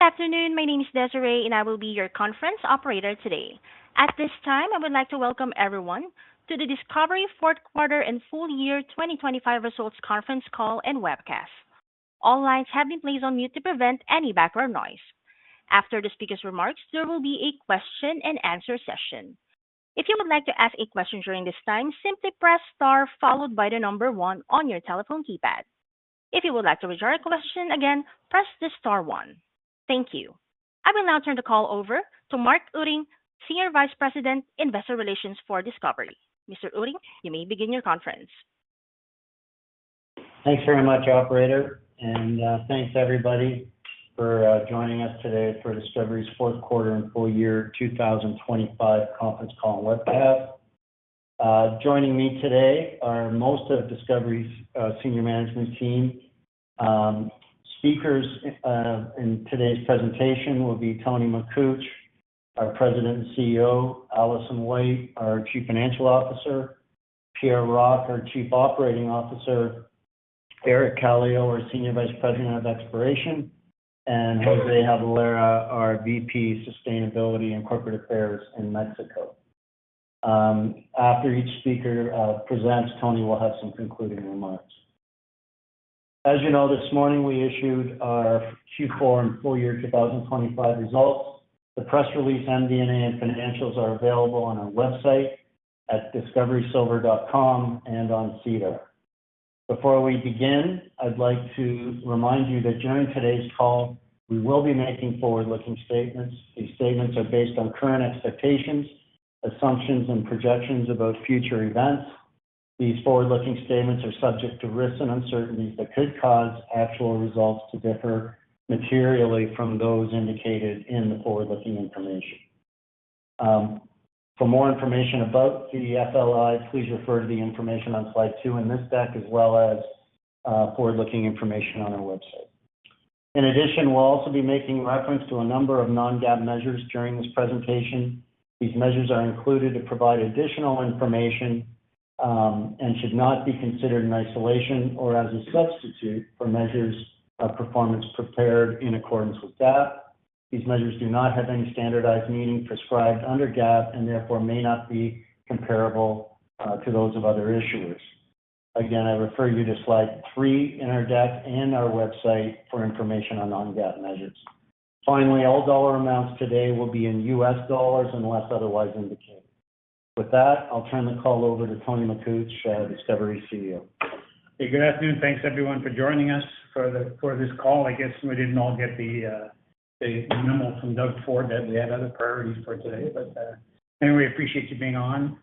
Good afternoon. My name is Desiree, and I will be your conference operator today. At this time, I would like to welcome everyone to the Discovery fourth quarter and full year 2025 results conference call and webcast. All lines have been placed on mute to prevent any background noise. After the speaker's remarks, there will be a question and answer session. If you would like to ask a question during this time, simply press star followed by the number one on your telephone keypad. If you would like to withdraw a question, again, press the star one. Thank you. I will now turn the call over to Mark Utting, Senior Vice President, Investor Relations for Discovery. Mr. Utting, you may begin your conference. Thanks very much, operator, and thanks, everybody, for joining us today for Discovery's fourth quarter and full year 2025 conference call and webcast. Joining me today are most of Discovery's senior management team. Speakers in today's presentation will be Tony Makuch, our President and CEO; Alison White, our Chief Financial Officer; Pierre Rocque, our Chief Operating Officer; Eric Kallio, our Senior Vice President of Exploration; and José Jabalera, our VP, Sustainability and Corporate Affairs in Mexico. After each speaker presents, Tony will have some concluding remarks. As you know, this morning, we issued our Q4 and full year 2025 results. The press release, MD&A, and financials are available on our website at discoverysilver.com and on SEDAR. Before we begin, I'd like to remind you that during today's call, we will be making forward-looking statements. These statements are based on current expectations, assumptions, and projections about future events. These forward-looking statements are subject to risks and uncertainties that could cause actual results to differ materially from those indicated in the forward-looking information. For more information about the FLIs, please refer to the information on slide two in this deck, as well as forward-looking information on our website. In addition, we'll also be making reference to a number of non-GAAP measures during this presentation. These measures are included to provide additional information, and should not be considered in isolation or as a substitute for measures of performance prepared in accordance with GAAP. These measures do not have any standardized meaning prescribed under GAAP and therefore may not be comparable to those of other issuers. Again, I refer you to slide 3 in our deck and our website for information on non-GAAP measures. Finally, all dollar amounts today will be in U.S. dollars unless otherwise indicated. With that, I'll turn the call over to Tony Makuch, Discovery's CEO. Hey, good afternoon. Thanks, everyone, for joining us for this call. I guess we didn't all get the memo from Doug Ford that we had other priorities for today, but anyway, appreciate you being on.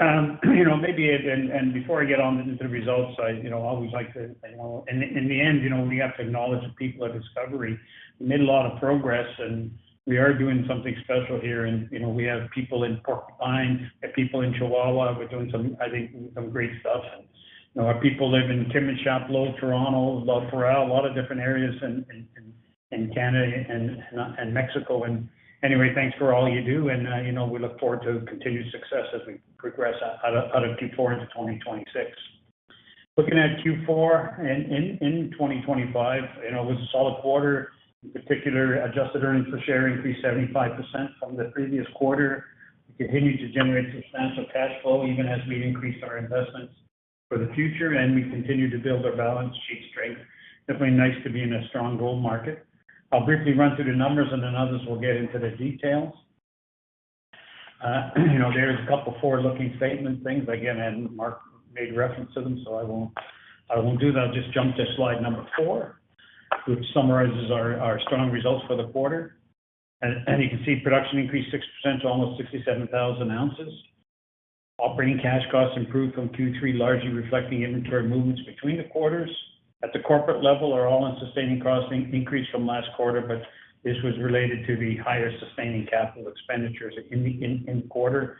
You know, maybe and before I get on into the results, I you know always like to, you know, in the end, you know, we have to acknowledge the people at Discovery. We made a lot of progress, and we are doing something special here and, you know, we have people in Porcupine and people in Chihuahua. We're doing some, I think, some great stuff. You know, our people live in Timmins, Schumacher, Toronto, Parral, a lot of different areas in Canada and Mexico. And anyway, thanks for all you do, and, you know, we look forward to continued success as we progress out of Q4 into 2026. Looking at Q4 in 2025, you know, it was a solid quarter. In particular, adjusted earnings per share increased 75% from the previous quarter. We continued to generate substantial cash flow, even as we increased our investments for the future, and we continued to build our balance sheet strength. Definitely nice to be in a strong gold market. I'll briefly run through the numbers, and then others will get into the details. You know, there's a couple forward-looking statement things. Again, and Mark made reference to them, so I won't, I won't do that. I'll just jump to slide number four, which summarizes our strong results for the quarter. You can see production increased 6% to almost 67,000 oz. Operating cash costs improved from Q3, largely reflecting inventory movements between the quarters. At the corporate level, our all-in sustaining costs increased from last quarter, but this was related to the higher sustaining capital expenditures in the quarter.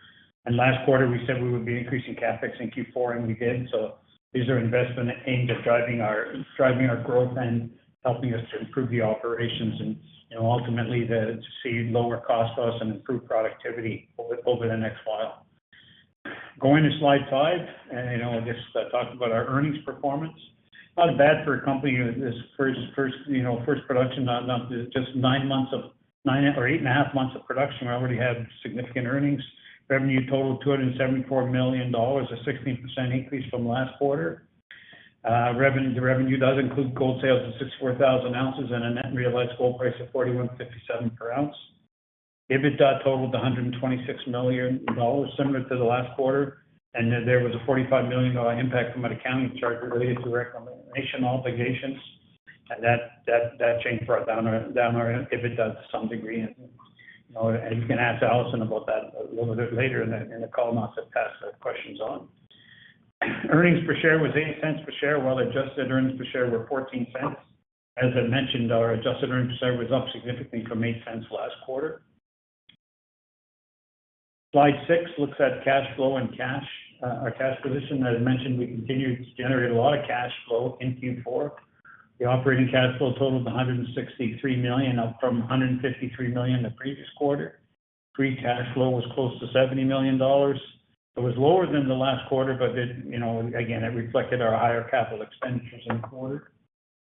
Last quarter, we said we would be increasing CapEx in Q4, and we did. So these are investments aimed at driving our growth and helping us to improve the operations and, you know, ultimately to see lower costs to us and improve productivity over the next while. Going to slide five, and, you know, just talk about our earnings performance. Not bad for a company with this first, you know, first production, not just nine or 8.5 months of production, we already had significant earnings. Revenue totaled $274 million, a 16% increase from last quarter. Revenue does include gold sales of 64,000 oz and a net realized gold price of $4,157/oz. EBITDA totaled $126 million, similar to the last quarter, and there was a $45 million impact from an accounting charge related to reclamation obligations, and that change brought down our EBITDA to some degree. You know, you can ask Alison about that a little bit later in the call, and I'll pass the questions on. Earnings per share was $0.08 per share, while adjusted earnings per share were $0.14. As I mentioned, our adjusted earnings per share was up significantly from $0.08 last quarter. Slide six looks at cash flow and cash, our cash position. As I mentioned, we continued to generate a lot of cash flow in Q4. The operating cash flow totaled $163 million, up from $153 million the previous quarter. Free cash flow was close to $70 million. It was lower than the last quarter, but it, you know, again, it reflected our higher capital expenditures in the quarter.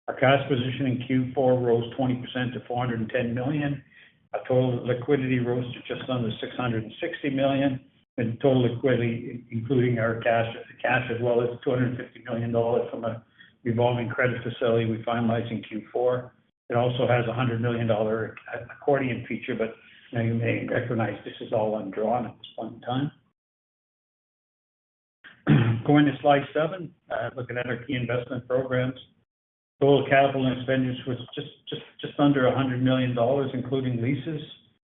Our cash position in Q4 rose 20% to $410 million. Our total liquidity rose to just under $660 million, and total liquidity, including our cash, cash as well as $250 million from a revolving credit facility we finalized in Q4. It also has a $100 million accordion feature, but now you may recognize this is all undrawn at this point in time. Going to slide seven, looking at our key investment programs. Total capital and expenditures was just under $100 million, including leases.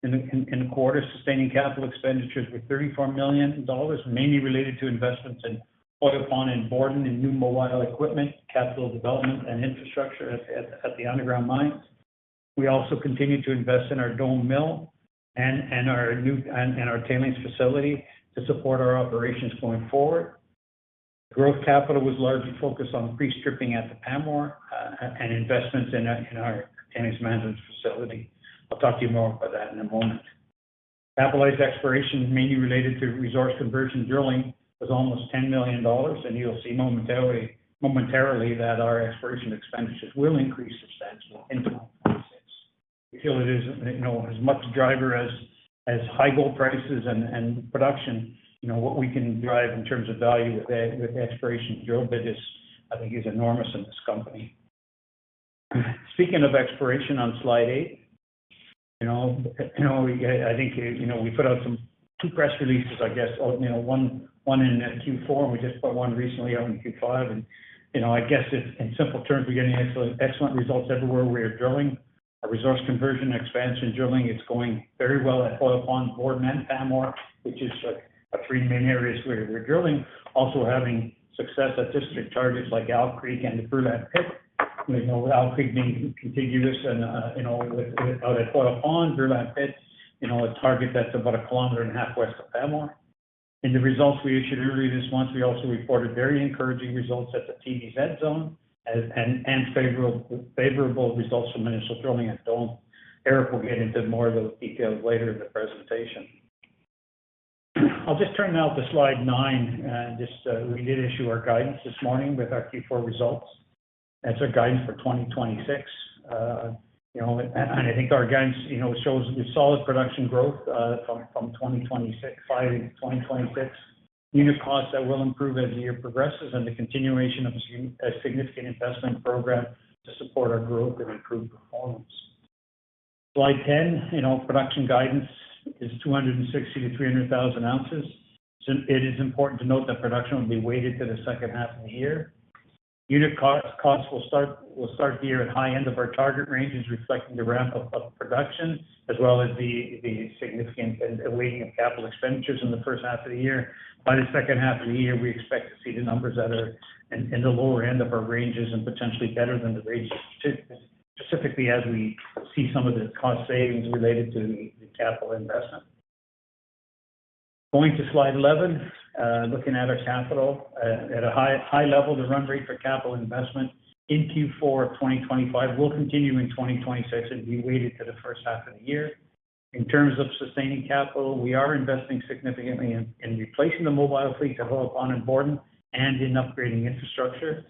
In the quarter, sustaining capital expenditures were $34 million, mainly related to investments in Hoyle Pond and Borden, and new mobile equipment, capital development, and infrastructure at the underground mines. We also continued to invest in our Dome Mill and our new and our tailings facility to support our operations going forward. Growth capital was largely focused on pre-stripping at the Pamour, and investments in our tailings management facility. I'll talk to you more about that in a moment. Capitalized exploration, mainly related to resource conversion drilling, was almost $10 million, and you'll see momentarily that our exploration expenditures will increase substantially in the next six. We feel it is, you know, as much driver as high gold prices and production. You know, what we can drive in terms of value with the exploration drill bit is, I think, enormous in this company. Speaking of exploration on slide eight, you know, we, I think, you know, we put out some two press releases, I guess, you know, one in Q4, and we just put one recently out in Q1. You know, I guess in simple terms, we're getting excellent results everywhere we are drilling. Our resource conversion expansion drilling is going very well at Hoyle Pond, Borden, and Pamour, which is, like, the three main areas where we're drilling. Also having success at district targets like Owl Creek and the Brule Pit. You know, Owl Creek being contiguous and, you know, with Hoyle Pond, Brule Pit, you know, a target that's about 1.5 km west of Pamour. In the results we issued earlier this month, we also reported very encouraging results at the TVZ zone, and favorable results from initial drilling at Dome. Eric will get into more of those details later in the presentation. I'll just turn now to slide 9. We did issue our guidance this morning with our Q4 results. That's our guidance for 2026. You know, and I think our guidance, you know, shows the solid production growth from 2025-2026. Unit costs that will improve as the year progresses and the continuation of a significant investment program to support our growth and improved performance. Slide 10, you know, production guidance is 260,000 oz-300,000 oz. Since it is important to note that production will be weighted to the second half of the year. Unit costs will start the year at high end of our target ranges, reflecting the ramp up of production, as well as the significant and weighting of capital expenditures in the first half of the year. By the second half of the year, we expect to see the numbers that are in, in the lower end of our ranges and potentially better than the ranges, specifically as we see some of the cost savings related to the capital investment. Going to slide 11, looking at our capital, at a high, high level, the run rate for capital investment in Q4 of 2025 will continue in 2026 and be weighted to the first half of the year. In terms of sustaining capital, we are investing significantly in, in replacing the mobile fleet at Pamour and Borden, and in upgrading infrastructure.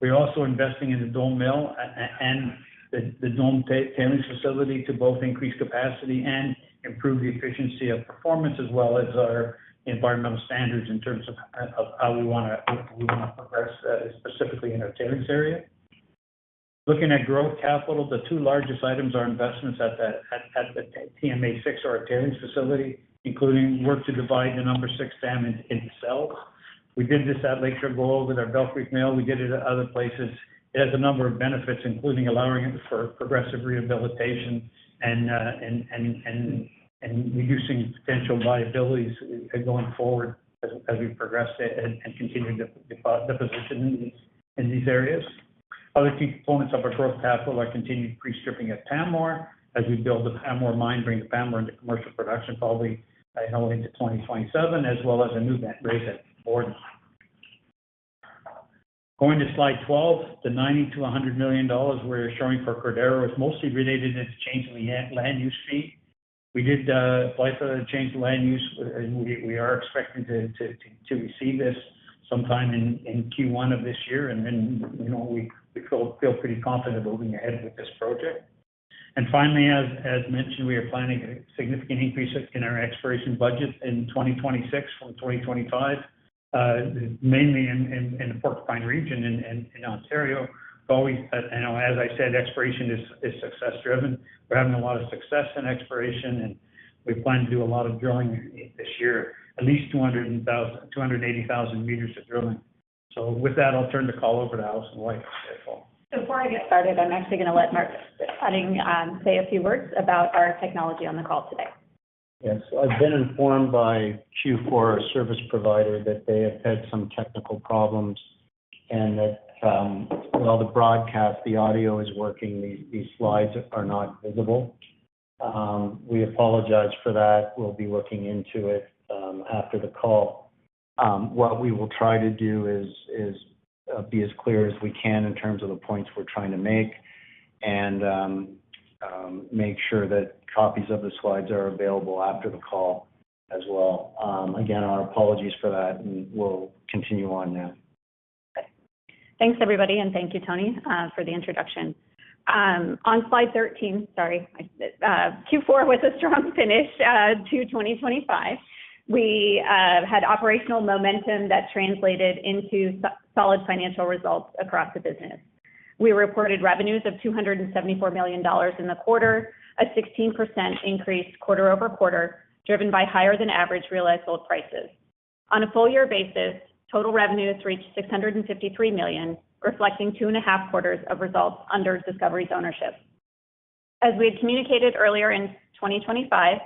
We're also investing in the Dome Mill and the Dome tailings facility to both increase capacity and improve the efficiency of performance, as well as our environmental standards in terms of how we want to progress specifically in our tailings area. Looking at growth capital, the two largest items are investments at the TMA Six, or our tailings facility, including work to divide the number six dam into cells. We did this at Lake Shore Gold with our Bell Creek Mill. We did it at other places. It has a number of benefits, including allowing it for progressive rehabilitation and reducing potential liabilities going forward as we progress it and continuing deposition in these areas. Other key components of our growth capital are continued pre-stripping at Pamour as we build the Pamour Mine, bringing Pamour into commercial production, probably into 2027, as well as a new vent raise at Borden. Going to slide 12, the $90 million-$100 million we're showing for Cordero is mostly related to the change in the land use fee. We did apply for the change of land use, and we are expecting to receive this sometime in Q1 of this year. And then, you know, we feel pretty confident moving ahead with this project. And finally, as mentioned, we are planning a significant increase in our exploration budget in 2026 from 2025, mainly in the Porcupine region in Ontario. But we, you know, as I said, exploration is success-driven. We're having a lot of success in exploration, and we plan to do a lot of drilling this year, at least 280,000 m of drilling. So with that, I'll turn the call over to Alison White. Before I get started, I'm actually gonna let Mark Utting say a few words about our technology on the call today. Yes. I've been informed by Q4, our service provider, that they have had some technical problems and that, while the broadcast, the audio is working, these slides are not visible. We apologize for that. We'll be looking into it, after the call. What we will try to do is be as clear as we can in terms of the points we're trying to make, and make sure that copies of the slides are available after the call as well. Again, our apologies for that, and we'll continue on now. Thanks, everybody, and thank you, Tony, for the introduction. On slide 13, sorry, Q4 was a strong finish to 2025. We had operational momentum that translated into solid financial results across the business. We reported revenues of $274 million in the quarter, a 16% increase quarter-over-quarter, driven by higher than average realized gold prices. On a full year basis, total revenues reached $653 million, reflecting 2.5 quarters of results under Discovery's ownership. As we had communicated earlier in 2025,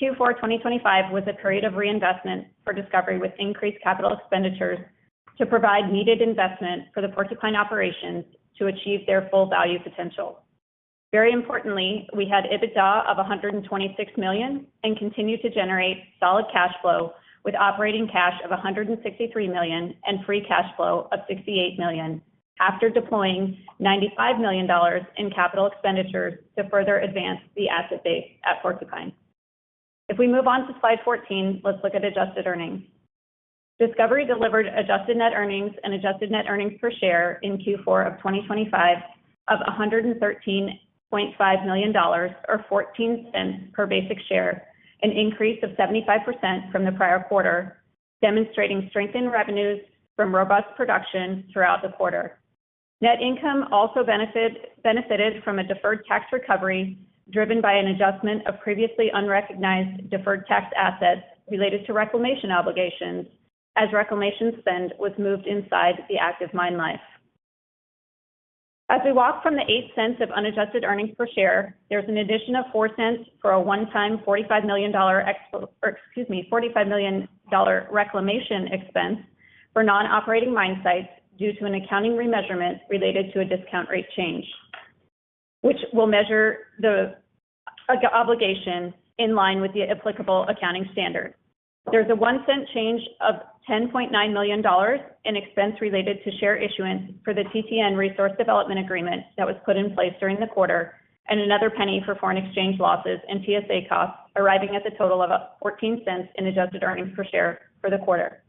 Q4 2025 was a period of reinvestment for Discovery, with increased capital expenditures to provide needed investment for the Porcupine operations to achieve their full value potential. Very importantly, we had EBITDA of $126 million and continued to generate solid cash flow, with operating cash of $163 million and free cash flow of $68 million, after deploying $95 million in capital expenditures to further advance the asset base at Porcupine. If we move on to slide 14, let's look at adjusted earnings. Discovery delivered adjusted net earnings and adjusted net earnings per share in Q4 of 2025 of $113.5 million or $0.14 per basic share, an increase of 75% from the prior quarter, demonstrating strengthened revenues from robust production throughout the quarter. Net income also benefited from a deferred tax recovery, driven by an adjustment of previously unrecognized deferred tax assets related to reclamation obligations, as reclamation spend was moved inside the active mine life. As we walk from the $0.08 of unadjusted earnings per share, there's an addition of $0.04 for a one-time $45 million reclamation expense for non-operating mine sites due to an accounting remeasurement related to a discount rate change. Which will measure the obligation in line with the applicable accounting standard. There's a $0.01 change of $10.9 million in expense related to share issuance for the TTN resource development agreement that was put in place during the quarter. And another penny for foreign exchange losses and TSA costs, arriving at a total of $0.14 in adjusted earnings per share for the quarter.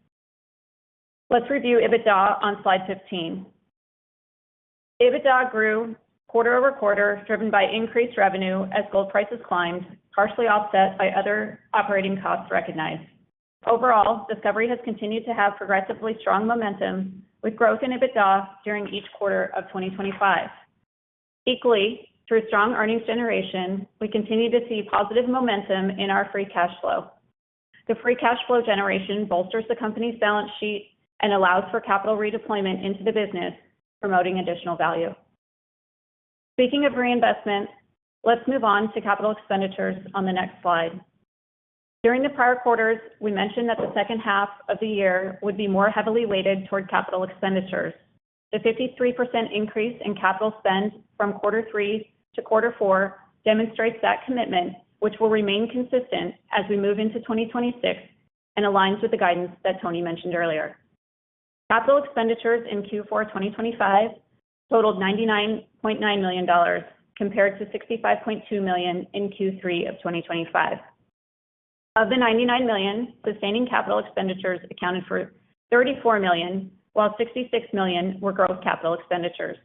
Let's review EBITDA on slide 15. EBITDA grew quarter-over-quarter, driven by increased revenue as gold prices climbed, partially offset by other operating costs recognized. Overall, Discovery has continued to have progressively strong momentum, with growth in EBITDA during each quarter of 2025. Equally, through strong earnings generation, we continue to see positive momentum in our free cash flow. The free cash flow generation bolsters the company's balance sheet and allows for capital redeployment into the business, promoting additional value. Speaking of reinvestment, let's move on to capital expenditures on the next slide. During the prior quarters, we mentioned that the second half of the year would be more heavily weighted toward capital expenditures. The 53% increase in capital spend from Q3-Q4 demonstrates that commitment, which will remain consistent as we move into 2026 and aligns with the guidance that Tony mentioned earlier. Capital expenditures in Q4 2025 totaled $99.9 million, compared to $65.2 million in Q3 2025. Of the $99 million, sustaining capital expenditures accounted for $34 million, while $66 million were growth capital expenditures.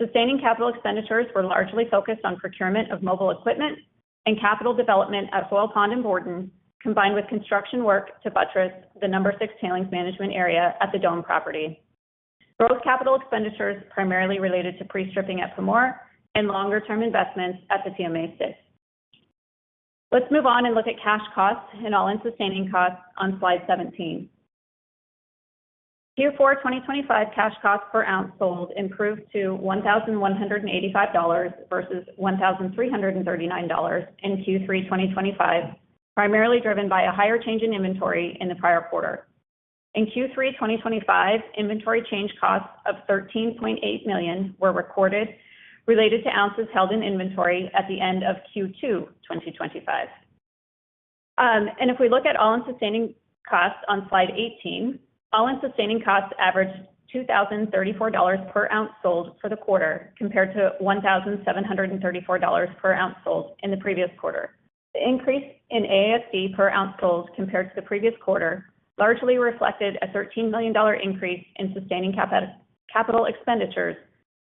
Sustaining capital expenditures were largely focused on procurement of mobile equipment and capital development at Hoyle Pond and Borden, combined with construction work to buttress the number 6 tailings management area at the Dome property. Growth capital expenditures primarily related to pre-stripping at Pamour and longer-term investments at the TMA Six. Let's move on and look at cash costs and all-in sustaining costs on slide 17. Q4 2025 cash costs per ounce sold improved to $1,185 versus $1,339 in Q3 2025, primarily driven by a higher change in inventory in the prior quarter. In Q3 2025, inventory change costs of $13.8 million were recorded, related to oz held in inventory at the end of Q2 2025. And if we look at all-in sustaining costs on slide 18, all-in sustaining costs averaged $2,034/oz sold for the quarter, compared to $1,734/oz sold in the previous quarter. The increase in AISC per ounce sold compared to the previous quarter largely reflected a $13 million increase in sustaining capital expenditures,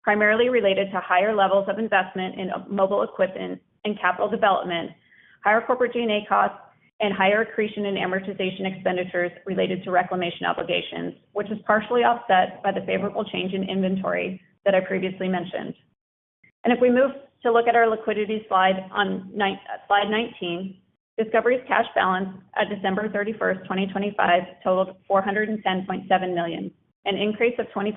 primarily related to higher levels of investment in mobile equipment and capital development, higher corporate G&A costs, and higher accretion and amortization expenditures related to reclamation obligations. Which is partially offset by the favorable change in inventory that I previously mentioned. If we move to look at our liquidity slide on slide 19, Discovery's cash balance at December 31, 2025, totaled $410.7 million, an increase of 20%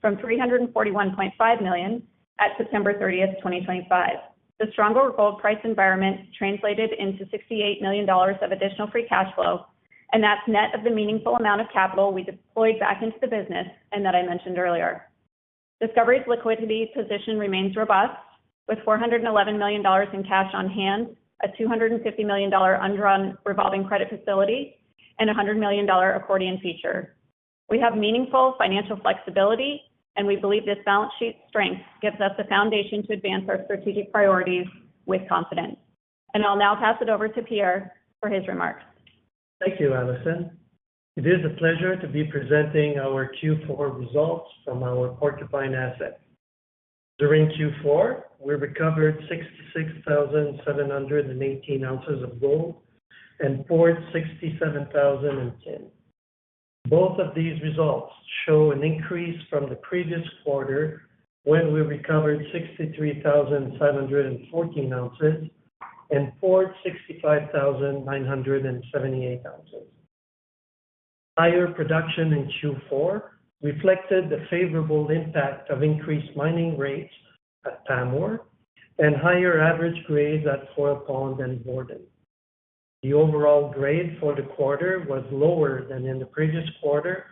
from $341.5 million at September 30, 2025. The stronger gold price environment translated into $68 million of additional free cash flow, and that's net of the meaningful amount of capital we deployed back into the business and that I mentioned earlier. Discovery's liquidity position remains robust, with $411 million in cash on hand, a $250 million undrawn revolving credit facility, and a $100 million accordion feature. We have meaningful financial flexibility, and we believe this balance sheet strength gives us the foundation to advance our strategic priorities with confidence. I'll now pass it over to Pierre for his remarks. Thank you, Alison. It is a pleasure to be presenting our Q4 results from our Porcupine asset. During Q4, we recovered 66,718 oz of gold and poured 67,010 oz. Both of these results show an increase from the previous quarter, when we recovered 63,714 oz and poured 65,978 oz. Higher production in Q4 reflected the favorable impact of increased mining rates at Pamour and higher average grades at Hoyle Pond and Borden. The overall grade for the quarter was lower than in the previous quarter,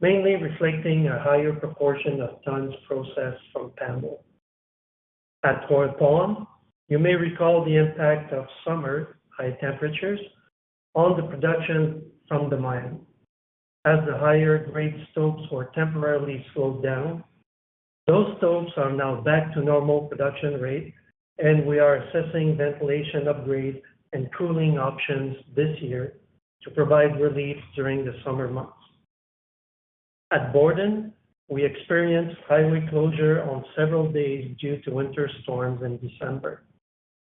mainly reflecting a higher proportion of tons processed from Pamour. At Hoyle Pond, you may recall the impact of summer high temperatures on the production from the mine, as the higher grade stopes were temporarily slowed down. Those stopes are now back to normal production rate, and we are assessing ventilation upgrade and cooling options this year to provide relief during the summer months. At Borden, we experienced highway closure on several days due to winter storms in December.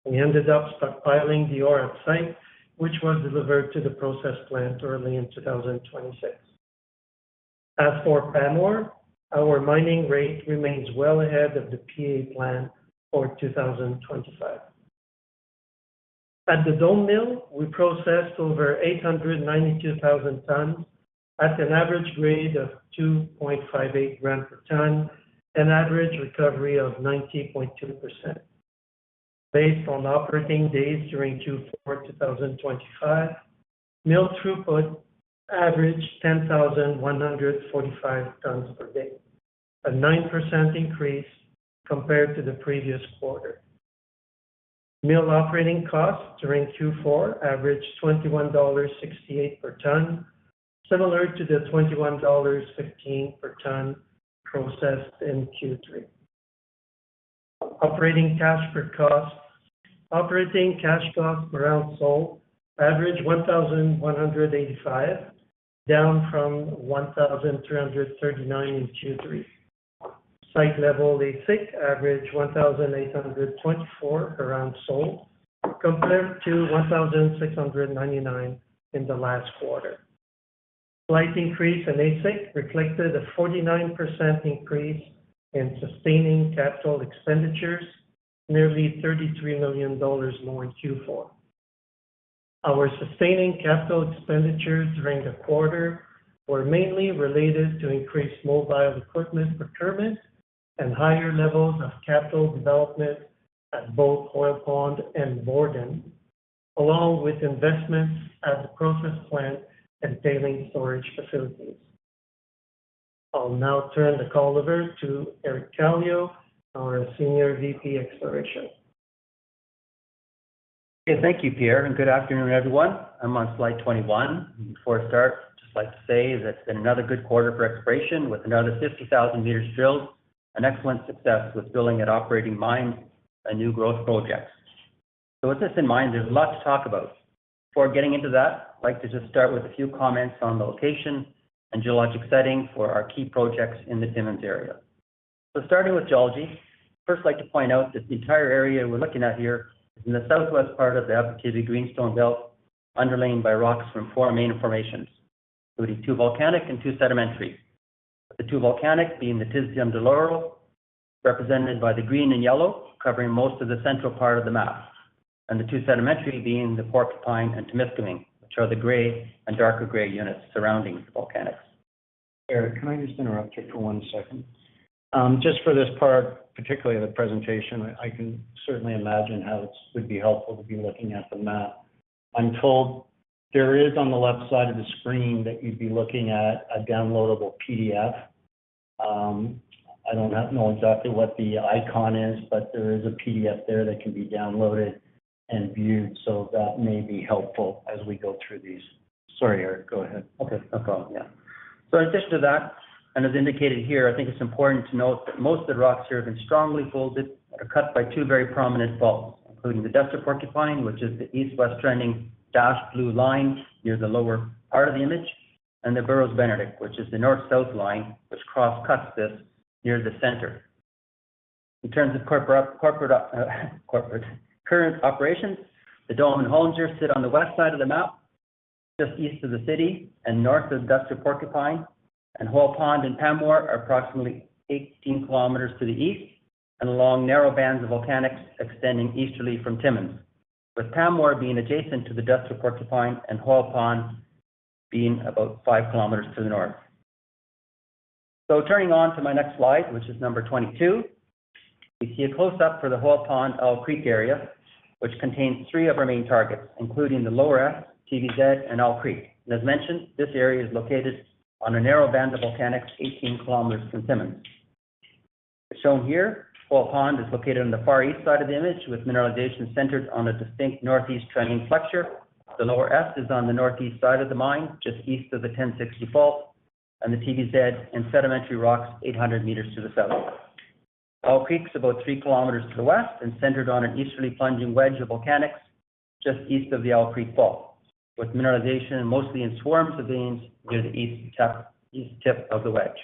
We ended up stockpiling the ore on site, which was delivered to the process plant early in 2026. As for Pamour, our mining rate remains well ahead of the PA plan for 2025. At the Dome Mill, we processed over 892,000 tons at an average grade of 2.58 g/ton, an average recovery of 90.2%. Based on operating days during Q4 2025, mill throughput averaged 10,145 tons/day, a 9% increase compared to the previous quarter. Mill operating costs during Q4 averaged $21.68/ton, similar to the $21.15/ton processed in Q3. Operating cash cost per ounce averaged 1,185, down from 1,339 in Q3. Site-level AISC averaged 1,824 per oz, compared to 1,699 in the last quarter. Slight increase in AISC reflected a 49% increase in sustaining capital expenditures, nearly $33 million more in Q4. Our sustaining capital expenditures during the quarter were mainly related to increased mobile equipment procurement and higher levels of capital development at both Hoyle Pond and Borden, along with investments at the process plant and tailings storage facilities. I'll now turn the call over to Eric Kallio, our Senior VP, Exploration. Okay, thank you, Pierre, and good afternoon, everyone. I'm on slide 21. Before I start, I'd just like to say that it's been another good quarter for exploration, with another 50,000 m drilled, an excellent success with building an operating mine, a new growth project. So with this in mind, there's a lot to talk about. Before getting into that, I'd like to just start with a few comments on the location and geologic setting for our key projects in the Timmins area. So starting with geology, first, I'd like to point out that the entire area we're looking at here is in the southwest part of the Abitibi Greenstone Belt, underlain by rocks from four main formations, including two volcanic and two sedimentary. The two volcanics being the Timmins and Deloro, represented by the green and yellow, covering most of the central part of the map, and the two sedimentary being the Porcupine and Timiskaming, which are the gray and darker gray units surrounding the volcanics. Eric, can I just interrupt you for one second? Just for this part, particularly of the presentation, I can certainly imagine how this would be helpful to be looking at the map. I'm told there is on the left side of the screen that you'd be looking at a downloadable PDF. I don't know exactly what the icon is, but there is a PDF there that can be downloaded and viewed, so that may be helpful as we go through these. Sorry, Eric, go ahead. Okay, no problem. Yeah. So in addition to that, and as indicated here, I think it's important to note that most of the rocks here have been strongly folded or cut by two very prominent faults, including the Destor-Porcupine, which is the east-west trending dashed blue line near the lower part of the image, and the Burrows-Benedict, which is the north-south line, which crosscuts this near the center. In terms of corporate current operations, the Dome and Hollinger sit on the West side of the map, just east of the city and north of Destor-Porcupine, and Hoyle Pond and Pamour are approximately 18 km to the east and along narrow bands of volcanics extending easterly from Timmins, with Pamour being adjacent to the Destor-Porcupine and Hoyle Pond being about 5 km to the North. So turning to my next slide, which is number 22. We see a close-up of the Hoyle Pond, Owl Creek area, which contains three of our main targets, including the Lower F, TVZ, and Owl Creek. And as mentioned, this area is located on a narrow band of volcanics, 18 km from Timmins. As shown here, Hoyle Pond is located on the far east side of the image, with mineralization centered on a distinct northeast trending flexure. The Lower F is on the north-east side of the mine, just east of the 1060 fault, and the TVZ in sedimentary rocks, 800 m to the south. Owl Creek is about 3 km to the west and centered on an easterly plunging wedge of volcanics just east of the Owl Creek fault, with mineralization mostly in swarms of veins near the East tip of the wedge.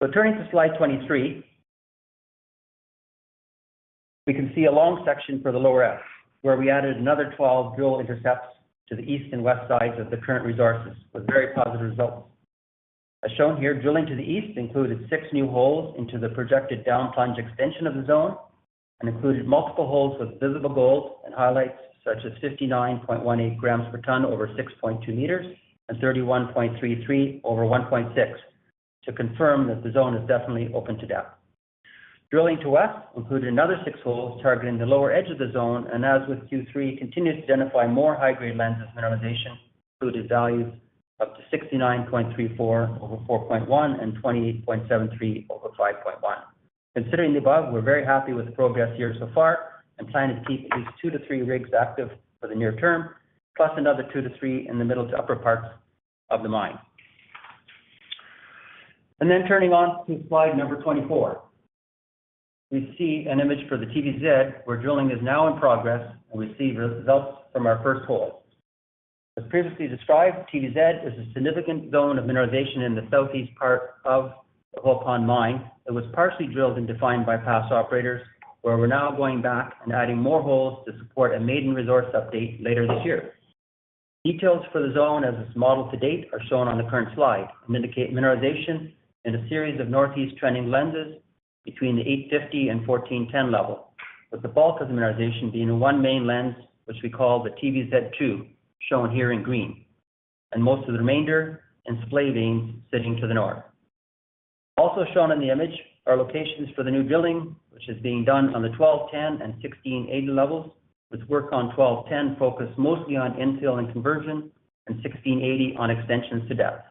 So turning to slide 23, we can see a long section for the Lower F, where we added another 12 drill intercepts to the east and west sides of the current resources, with very positive results. As shown here, drilling to the east included six new holes into the projected down plunge extension of the zone and included multiple holes with visible gold and highlights, such as 59.18 g per ton over 6.2 m and 31.33 over 1.6, to confirm that the zone is definitely open to down. Drilling to the west included another six holes targeting the lower edge of the zone, and as with Q3, continued to identify more high-grade lenses of mineralization, including values up to 69.34 over 4.1 and 28.73 over 5.1. Considering the above, we're very happy with the progress here so far and plan to keep at least 2 rigs-3 rigs active for the near term, plus another 2-3 in the middle to upper parts of the mine. Then turning to slide 24, we see an image for the TVZ, where drilling is now in progress and we see results from our first hole. As previously described, TVZ is a significant zone of mineralization in the southeast part of the Hoyle Pond mine. It was partially drilled and defined by past operators, where we're now going back and adding more holes to support a maiden resource update later this year. Details for the zone, as it's modeled to date, are shown on the current slide and indicate mineralization in a series of northeast trending lenses between the 850 and 1410 level, with the bulk of the mineralization being in one main lens, which we call the TVZ 2, shown here in green, and most of the remainder and splaying sitting to the North. Also shown in the image are locations for the new drilling, which is being done on the 1210 and 1680 levels, with work on 1210 focused mostly on infill and conversion, and 1680 on extensions to depth.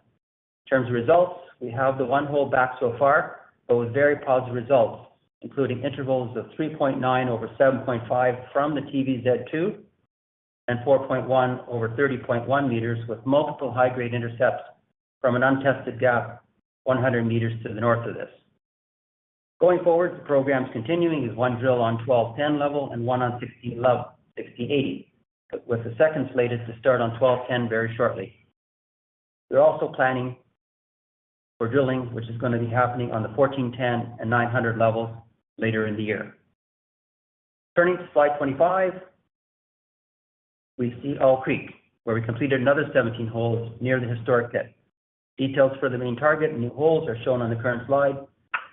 In terms of results, we have the one hole back so far, but with very positive results, including intervals of 3.9 over 7.5 from the TVZ 2 and 4.1 over 30.1 m, with multiple high-grade intercepts from an untested gap, 100 m to the north of this. Going forward, the program is continuing with one drill on 1210 level and one on 16 level, 1680, with the second slated to start on 1210 very shortly. We're also planning for drilling, which is going to be happening on the 1410 and 900 level later in the year. Turning to slide 25, we see Owl Creek, where we completed another 17 holes near the historic pit. Details for the main target and new holes are shown on the current slide,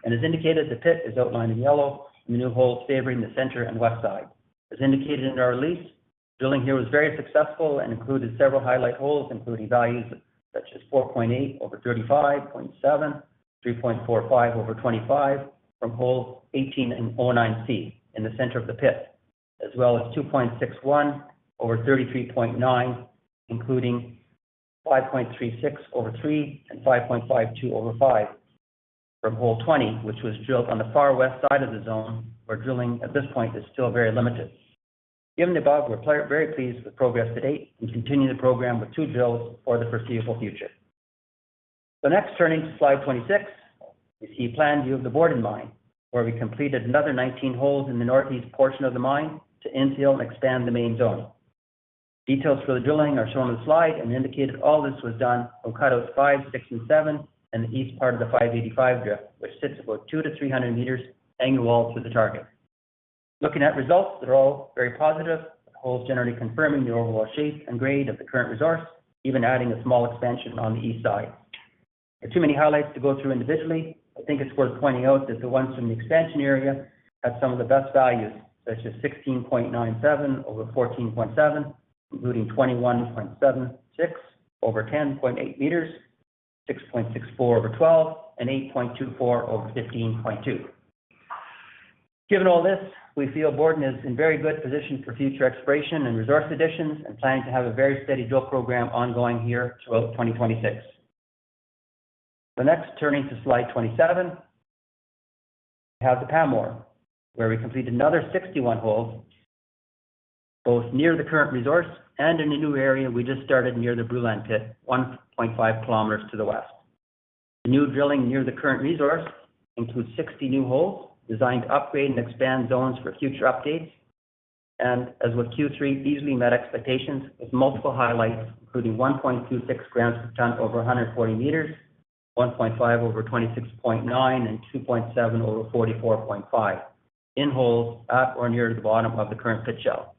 and as indicated, the pit is outlined in yellow, and the new holes favoring the center and west side. As indicated in our lease, drilling here was very successful and included several highlight holes, including values such as 4.8 over 35.7, 3.45 over 25 from hole 18 and O-09C in the center of the pit, as well as 2.61 over 33.9, including 5.36 over 3 and 5.52 over 5 from hole 20, which was drilled on the far west side of the zone, where drilling at this point is still very limited. Given the above, we're very pleased with the progress to date and continue the program with two drills for the foreseeable future. So next, turning to slide 26, we see a plan view of the Borden Mine, where we completed another 19 holes in the northeast portion of the mine to infill and expand the main zone. Details for the drilling are shown on the slide, and indicated all this was done on levels 5, 6, and 7, and the east part of the 585 drift, which sits about 200-300 meters along the walls with the target. Looking at results, they're all very positive, the holes generally confirming the overall shape and grade of the current resource, even adding a small expansion on the east side. There are too many highlights to go through individually. I think it's worth pointing out that the ones from the expansion area have some of the best values, such as 16.97 over 14.7, including 21.76 over 10.8 m, 6.64 over 12, and 8.24 over 15.2. Given all this, we feel Borden is in very good position for future exploration and resource additions, and planning to have a very steady drill program ongoing here throughout 2026. So next, turning to slide 27, we have the Pamour, where we completed another 61 holes, both near the current resource and in a new area we just started near the Brule Pit, 1.5 km to the west. The new drilling near the current resource includes 60 new holes designed to upgrade and expand zones for future updates. As with Q3, easily met expectations with multiple highlights, including 1.26 g per ton over 140 m, 1.5 over 26.9, and 2.7 over 44.5 in holes at or near the bottom of the current pit shell.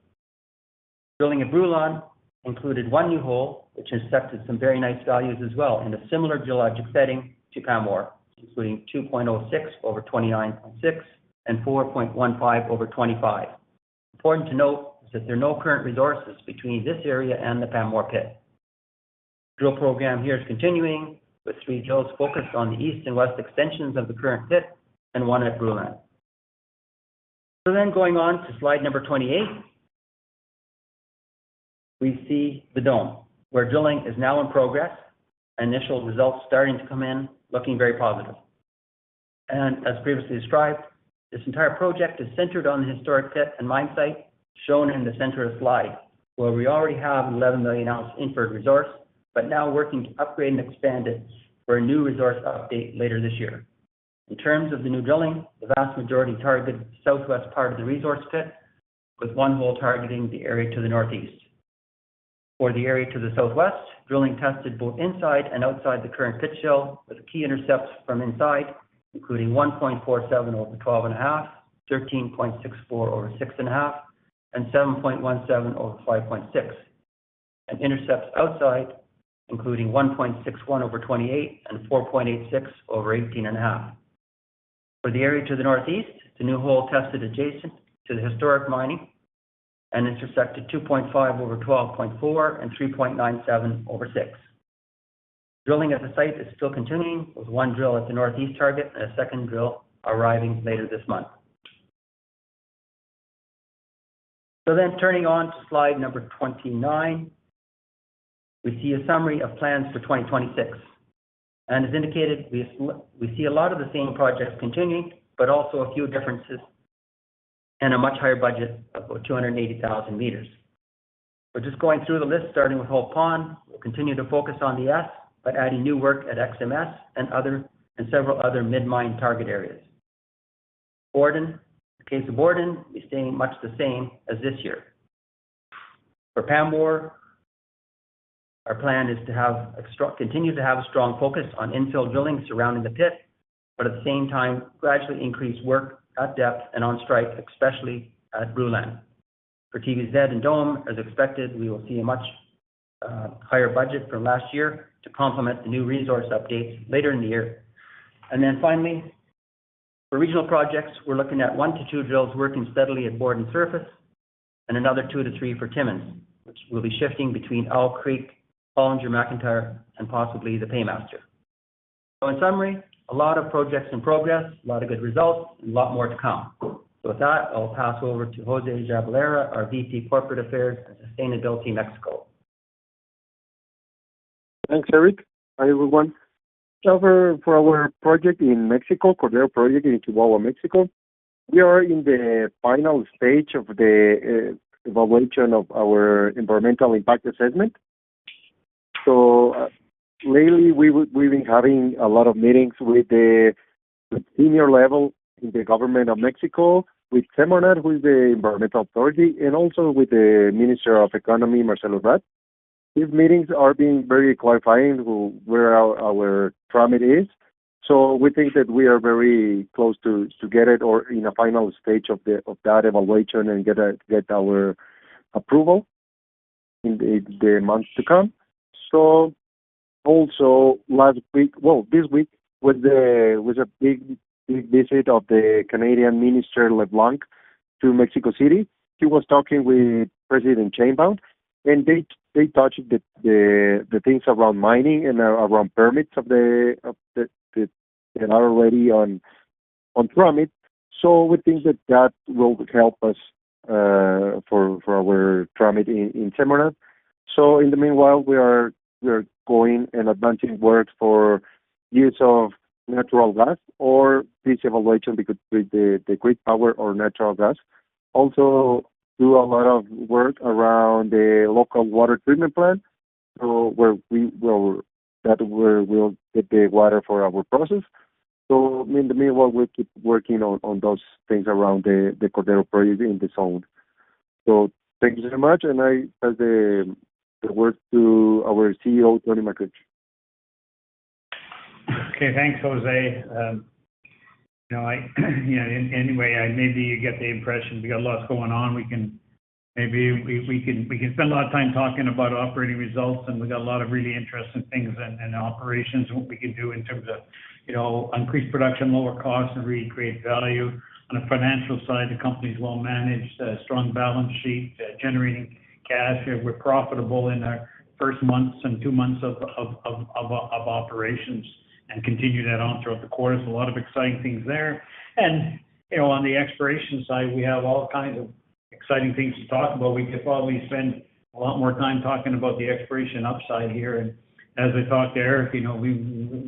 Drilling at Brule included one new hole, which intercepted some very nice values as well in a similar geologic setting to Pamour, including 2.06 over 29.6 and 4.15 over 25. Important to note that there are no current resources between this area and the Pamour pit. Drill program here is continuing, with 3 drills focused on the east and west extensions of the current pit and 1 at Brule. So then going on to slide number 28, we see the Dome where drilling is now in progress, initial results starting to come in, looking very positive. And as previously described, this entire project is centered on the historic pit and mine site, shown in the center of slide, where we already have 11 million oz inferred resource, but now working to upgrade and expand it for a new resource update later this year. In terms of the new drilling, the vast majority target southwest part of the resource pit, with one hole targeting the area to the northeast. For the area to the southwest, drilling tested both inside and outside the current pit shell, with key intercepts from inside, including 1.47 over 12.5, 13.64 over 6.5, and 7.17 over 5.6. Intercepts outside, including 1.61 over 28 and 4.86 over 18.5. For the area to the north-east, the new hole tested adjacent to the historic mining and intersected 2.5 over 12.4 and 3.97 over 6. Drilling at the site is still continuing, with one drill at the north-east target and a second drill arriving later this month. Turning to slide number 29, we see a summary of plans for 2026. And as indicated, we see a lot of the same projects continuing, but also a few differences and a much higher budget of about 280,000 m. But just going through the list, starting with Hoyle Pond, we'll continue to focus on the S, but adding new work at XMS and other, and several other mid-mine target areas. Borden. The case of Borden is staying much the same as this year. For Pamour, our plan is to have a strong. Continue to have a strong focus on infill drilling surrounding the pit, but at the same time, gradually increase work at depth and on strike, especially at Brule. For TVZ and Dome, as expected, we will see a much higher budget from last year to complement the new resource updates later in the year. And then finally, for regional projects, we're looking at 1-2 drills working steadily at Borden surface and another 2-3 for Timmins, which will be shifting between Owl Creek, Hollinger-McIntyre, and possibly the Paymaster. So in summary, a lot of projects in progress, a lot of good results, and a lot more to come. So with that, I'll pass over to José Jabalera, our VP Corporate Affairs and Sustainability, Mexico. Thanks, Eric. Hi, everyone. So for our project in Mexico, Cordero project in Chihuahua, Mexico, we are in the final stage of the evaluation of our environmental impact assessment. So lately, we've been having a lot of meetings with the senior level in the government of Mexico, with SEMARNAT, who is the environmental authority, and also with the Minister of Economy, Marcelo Ebrard. These meetings are being very clarifying where our permit is. So we think that we are very close to get it or in a final stage of that evaluation and get our approval in the months to come. So also last week, well, this week was a big visit of the Canadian Minister LeBlanc to Mexico City. He was talking with President Sheinbaum, and they touched the things around mining and around permits of the areas already on permit. So we think that that will help us for our permit in SEMARNAT. So in the meanwhile, we are going and advancing work for use of natural gas or this evaluation, because with the grid power or natural gas, also do a lot of work around the local water treatment plant, so where we'll get the water for our process. So in the meanwhile, we keep working on those things around the Cordero project in this zone. So thank you very much, and I pass the work to our CEO, Tony Makuch. Okay, thanks, José. You know, you know, anyway, maybe you get the impression we got a lot going on. We can spend a lot of time talking about operating results, and we've got a lot of really interesting things and operations, what we can do in terms of, you know, increase production, lower costs, and really create value. On a financial side, the company is well managed, strong balance sheet, generating cash. We're profitable in our first months and two months of operations and continue that on throughout the quarter. So a lot of exciting things there. You know, on the exploration side, we have all kinds of exciting things to talk about. We could probably spend a lot more time talking about the exploration upside here. As I thought, Eric, you know, we,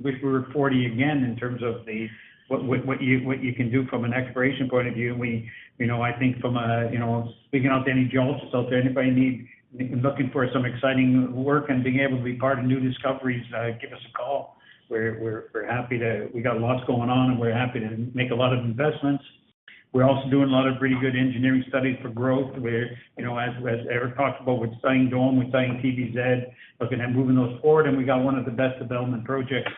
we're 40 again, in terms of the, what you can do from an exploration point of view. We, you know, I think from a, you know, speaking out to any geologists out there, anybody need, looking for some exciting work and being able to be part of new discoveries, give us a call. We're, we're, we're happy to. We got a lot going on, and we're happy to make a lot of investments. We're also doing a lot of really good engineering studies for growth, where, you know, as, as Eric talked about, we're studying Dome, we're studying TVZ, looking at moving those forward, and we got one of the best development projects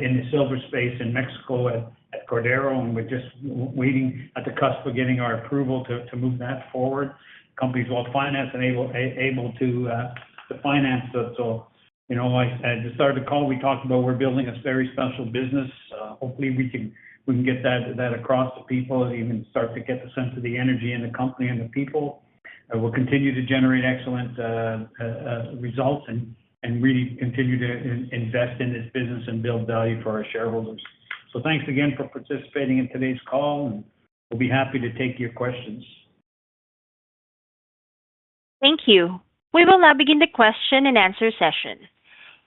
in the silver space in Mexico at, at Cordero. And we're just waiting at the cusp of getting our approval to, to move that forward. Company's well-financed and able to finance it. So, you know, like I said, to start the call, we talked about we're building a very special business. Hopefully, we can, we can get that, that across to people, even start to get the sense of the energy in the company and the people. We'll continue to generate excellent results and really continue to invest in this business and build value for our shareholders. So thanks again for participating in today's call, and we'll be happy to take your questions. Thank you. We will now begin the question and answer session.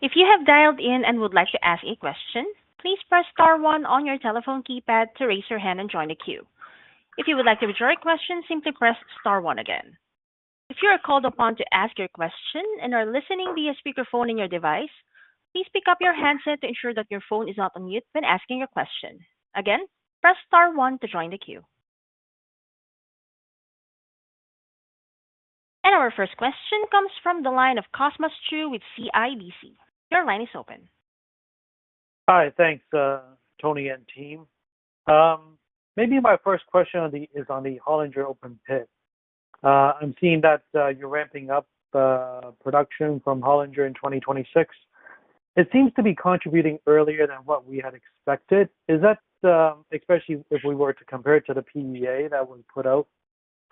If you have dialed in and would like to ask a question, please press star one on your telephone keypad to raise your hand and join the queue. If you would like to withdraw your question, simply press star one again. If you are called upon to ask your question and are listening via speakerphone in your device, please pick up your handset to ensure that your phone is not on mute when asking your question. Again, press star one to join the queue. Our first question comes from the line of Cosmos Chiu with CIBC. Your line is open. Hi, thanks, Tony and team. Maybe my first question is on the Hollinger open pit. I'm seeing that you're ramping up production from Hollinger in 2026. It seems to be contributing earlier than what we had expected. Is that, especially if we were to compare it to the PEA that was put out,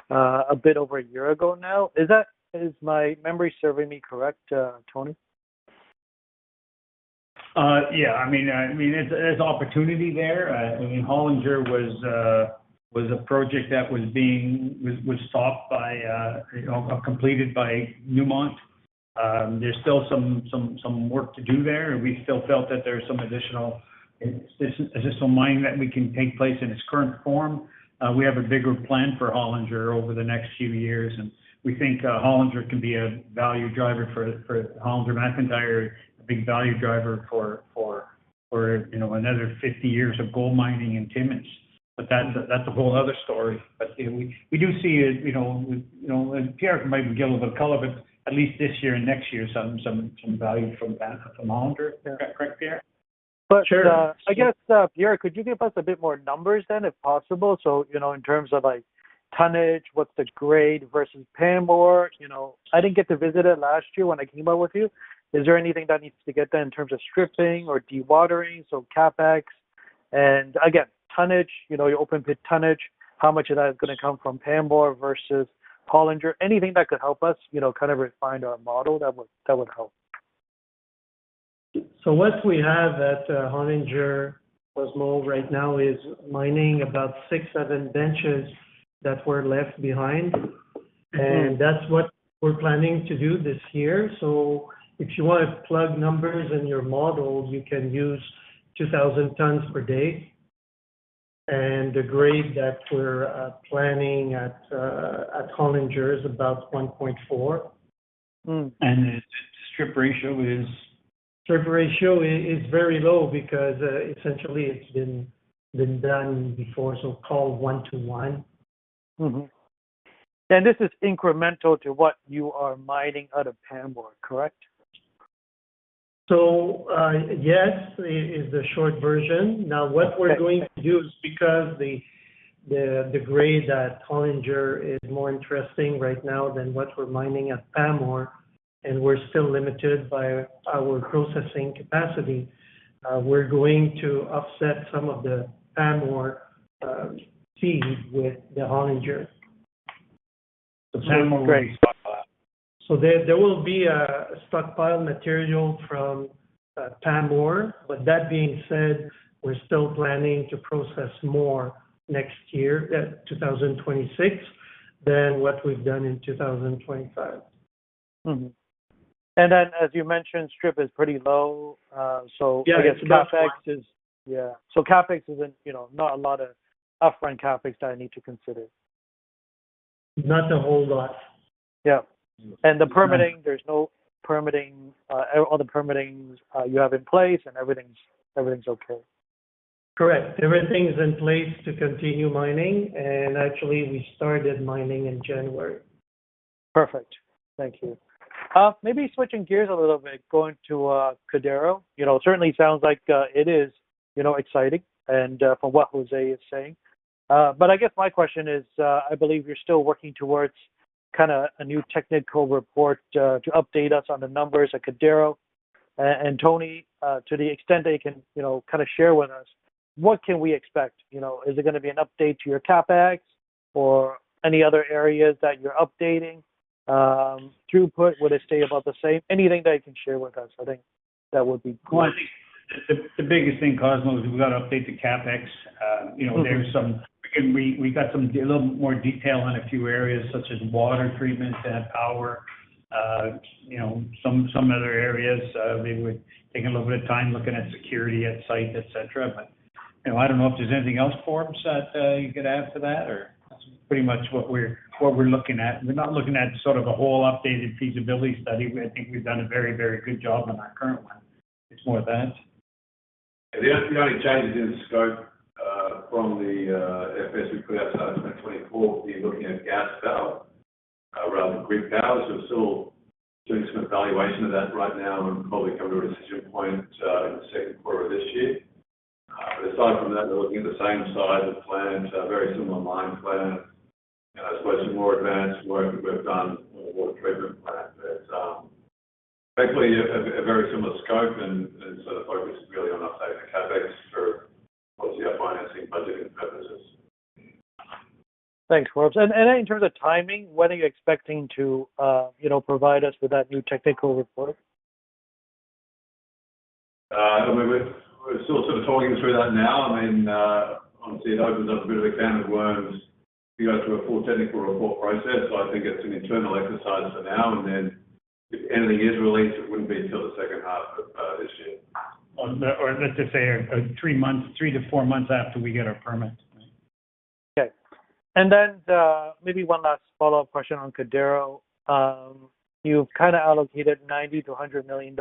a bit over a year ago now, is that, is my memory serving me correct, Tony? Yeah, I mean, there's opportunity there. I mean, Hollinger was a project that was being stopped by, you know, completed by Newmont. There's still some work to do there, and we still felt that there's some additional, this additional mining that we can take place in its current form. We have a bigger plan for Hollinger over the next few years, and we think, Hollinger can be a value driver for, for Hollinger McIntyre, a big value driver for, for, you know, another 50 years of gold mining in Timmins. But that's a whole other story. But, you know, we do see it, you know, with, you know, and Pierre can maybe give a little color, but at least this year and next year, some value from that, from Hollinger. Is that correct, Pierre? But- Sure. I guess, Pierre, could you give us a bit more numbers then, if possible? So, you know, in terms of, like, tonnage, what's the grade versus Pamour? You know, I didn't get to visit it last year when I came out with you. Is there anything that needs to get done in terms of stripping or dewatering, so CapEx? And again, tonnage, you know, your open pit tonnage, how much of that is gonna come from Pamour versus Hollinger? Anything that could help us, you know, kind of refine our model, that would, that would help. So what we have at Hollinger, Cosmo, right now is mining about 6 benches-7 benches that were left behind, and that's what we're planning to do this year. So if you want to plug numbers in your model, you can use 2,000 tons/day. And the grade that we're planning at at Hollinger is about 1.4. Mmm. The strip ratio is? Strip ratio is very low because essentially it's been done before, so call 1 to 1. Mm-hmm. And this is incremental to what you are mining out of Pamour, correct? So, yes, is the short version. Now, what we're going to do is because the grade at Hollinger is more interesting right now than what we're mining at Pamour, and we're still limited by our processing capacity, we're going to offset some of the Pamour feed with the Hollinger. Great. Pamour will be stockpile. There will be a stockpile material from Pamour. But that being said, we're still planning to process more next year, 2026, than what we've done in 2025. Mm-hmm. And then, as you mentioned, strip is pretty low, so- Yeah. I guess CapEx is, yeah. So CapEx isn't, you know, not a lot of upfront CapEx that I need to consider. Not a whole lot. Yeah. The permitting, there's no permitting, all the permitting you have in place, and everything's, everything's okay? Correct. Everything is in place to continue mining, and actually, we started mining in January. Perfect. Thank you. Maybe switching gears a little bit, going to Cordero. You know, it certainly sounds like it is, you know, exciting and from what José is saying. But I guess my question is, I believe you're still working towards kinda a new technical report to update us on the numbers at Cordero. And Tony, to the extent that you can, you know, kinda share with us, what can we expect, you know? Is it gonna be an update to your CapEx or any other areas that you're updating, throughput? Will they stay about the same? Anything that you can share with us, I think that would be great. Well, I think the biggest thing, Cosmo, is we've got to update the CapEx. You know- Mm-hmm. There's some we got some a little more detail on a few areas, such as water treatment and power, you know, some other areas, we would take a little bit of time looking at security at site, et cetera. But, you know, I don't know if there's anything else Forbes that you could add to that, or that's pretty much what we're looking at. We're not looking at sort of a whole updated feasibility study. I think we've done a very, very good job on our current one. It's more of that. The only, the only change in scope from the FS we put out in 2024, we're looking at gas power rather than grid power. So we're still doing some evaluation of that right now and probably come to a decision point in the second quarter of this year. But aside from that, we're looking at the same size of plant, a very similar mine plan, and I suppose some more advanced work we've done on the water treatment plant. But basically a very similar scope and sort of focused really on updating the CapEx for, obviously, our financing budgeting purposes. Thanks, Forbes. And in terms of timing, when are you expecting to, you know, provide us with that new technical report? We're still sort of talking through that now. I mean, obviously, it opens up a bit of a can of worms. You go through a full technical report process. So I think it's an internal exercise for now, and then if anything is released, it wouldn't be until the second half of this year. Let's just say, 3 months, 3-4 months after we get our permit. Okay. And then, maybe one last follow-up question on Cordero. You've kind of allocated $90 million-$100 million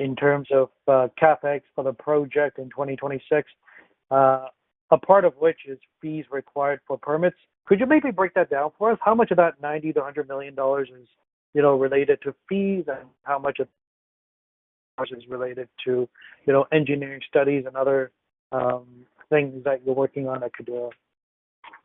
in terms of CapEx for the project in 2026, a part of which is fees required for permits. Could you maybe break that down for us? How much of that $90 million-$100 million is, you know, related to fees, and how much of it is related to, you know, engineering studies and other things that you're working on at Cordero?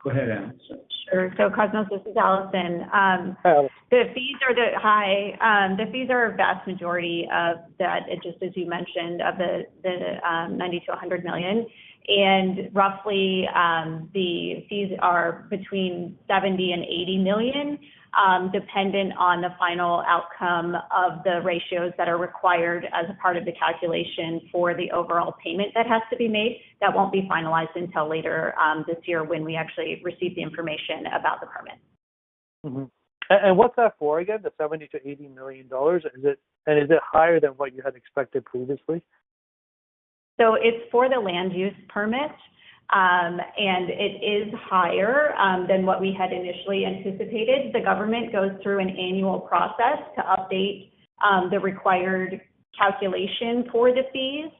Go ahead, Alison. Sure. So Cosmos, this is Alison. Hi, Allison. Hi. The fees are a vast majority of that, just as you mentioned, of the $90 million-$100 million. And roughly, the fees are between $70 million-$80 million, dependent on the final outcome of the ratios that are required as a part of the calculation for the overall payment that has to be made. That won't be finalized until later this year when we actually receive the information about the permit. Mm-hmm. And, and what's that for, again, the $70 million-$80 million, and is it, and is it higher than what you had expected previously? It's for the land use permit, and it is higher than what we had initially anticipated. The government goes through an annual process to update the required calculation for the fees,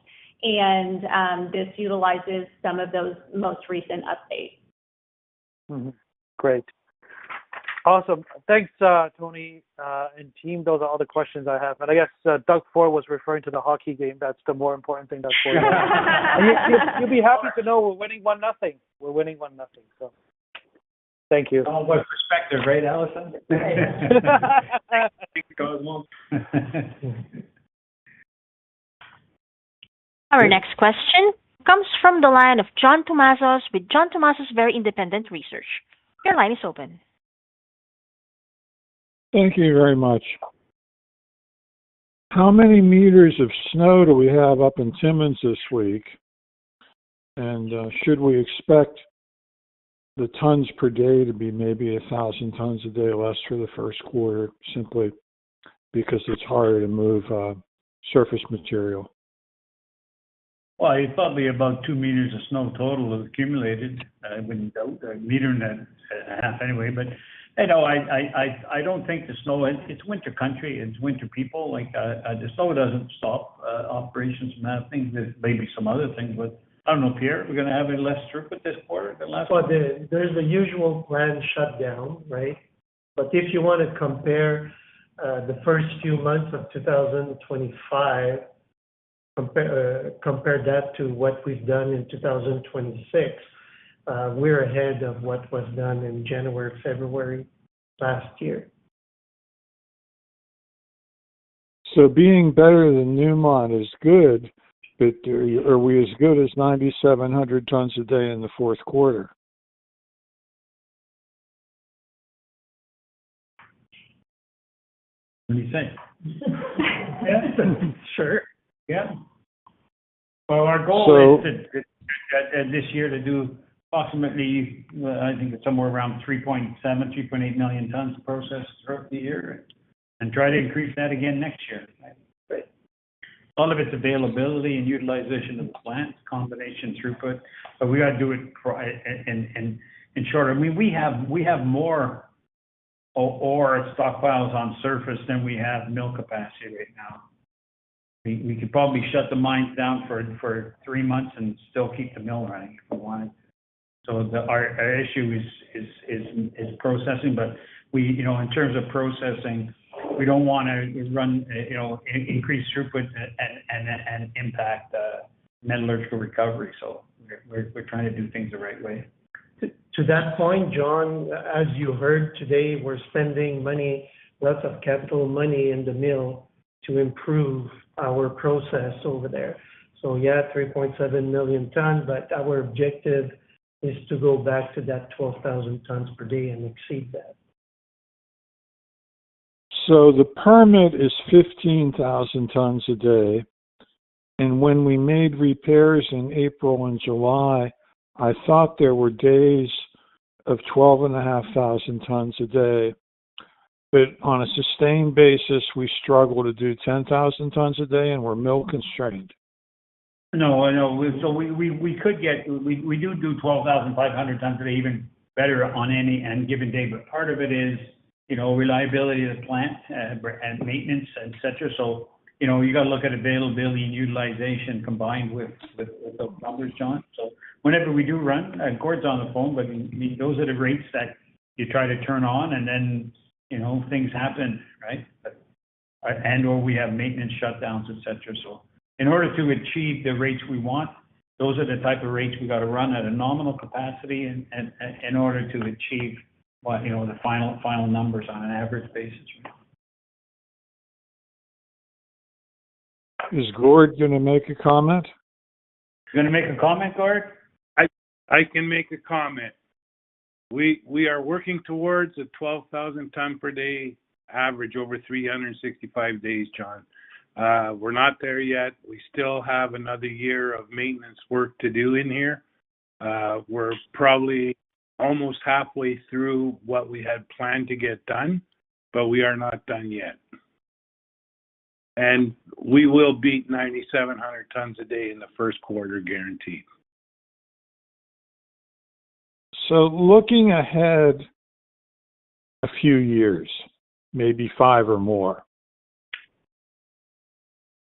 and this utilizes some of those most recent updates. Mm-hmm. Great. Awesome. Thanks, Tony, and team. Those are all the questions I have, but I guess Doug Ford was referring to the hockey game. That's the more important thing, Doug Ford. You, you'd be happy to know we're winning 1-0. We're winning 1-0. So thank you. It's all about perspective, right, Alison? Thanks, Cosmos. Our next question comes from the line of John Tumazos, with John Tumazos Very Independent Research. Your line is open. Thank you very much. How many meters of snow do we have up in Timmins this week? Should we expect the tons per day to be maybe 1,000 tons a day less for the first quarter, simply because it's harder to move surface material? Well, it's probably about 2 m of snow total accumulated. I wouldn't doubt a meter and a half anyway, but, you know, I don't think the snow. It's winter country, it's winter people, like, the snow doesn't stop operations from happening. There may be some other things, but I don't know, Pierre, are we going to have any less throughput this quarter, the last- But there, there's the usual grind shutdown, right? But if you want to compare the first few months of 2025, compare that to what we've done in 2026, we're ahead of what was done in January, February last year. Being better than Newmont is good, but are we as good as 9,700 tons a day in the fourth quarter? What do you think? Yeah, sure. Yep. Well, our goal- So- is to this year to do approximately, I think it's somewhere around 3.7 million-3.8 million tons processed throughout the year, and try to increase that again next year. Great. All of its availability and utilization of the plant, comminution throughput, but we got to do it for, and in short, I mean, we have more ore stockpiles on surface than we have mill capacity right now. We could probably shut the mines down for three months and still keep the mill running if we wanted. So our issue is processing, but we, you know, in terms of processing, we don't want to run, you know, increase throughput and impact metallurgical recovery. So we're trying to do things the right way. To that point, John, as you heard today, we're spending money, lots of capital money in the mill to improve our process over there. So yeah, 3.7 million tons, but our objective is to go back to that 12,000 tons/day and exceed that. So the permit is 15,000 tons a day, and when we made repairs in April and July, I thought there were days of 12,500 tons a day. But on a sustained basis, we struggle to do 10,000 tons a day, and we're mill-constrained. No, I know. So we could get we do 12,500 tons a day, even better on any given day, but part of it is, you know, reliability of the plant and maintenance, et cetera. So, you know, you got to look at availability and utilization combined with the numbers, John. So whenever we do run, and Gord's on the phone, but, I mean, those are the rates that you try to turn on, and then, you know, things happen, right? But we have maintenance shutdowns, et cetera. So in order to achieve the rates we want, those are the type of rates we got to run at a nominal capacity and in order to achieve what, you know, the final numbers on an average basis. Is Gord going to make a comment? You're going to make a comment, Gord? I can make a comment. We are working towards a 12,000 ton/day average over 365 days, John. We're not there yet. We still have another year of maintenance work to do in here. We're probably almost halfway through what we had planned to get done, but we are not done yet. We will beat 9,700 tons a day in the first quarter, guaranteed. Looking ahead a few years, maybe 5 or more,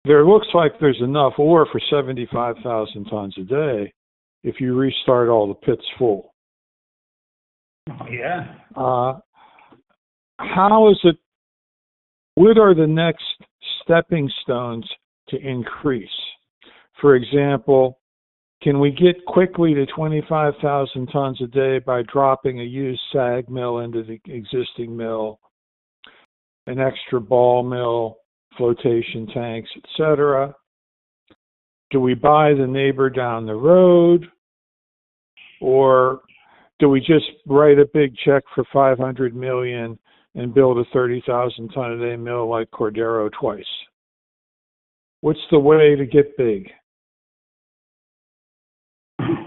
there looks like there's enough ore for 75,000 tons a day if you restart all the pits full. Yeah. How is it, what are the next stepping stones to increase? For example, can we get quickly to 25,000 tons a day by dropping a used SAG mill into the existing mill, an extra ball mill, flotation tanks, et cetera? Do we buy the neighbor down the road, or do we just write a big check for $500 million and build a 30,000-ton-a-day mill like Cordero twice? What's the way to get big?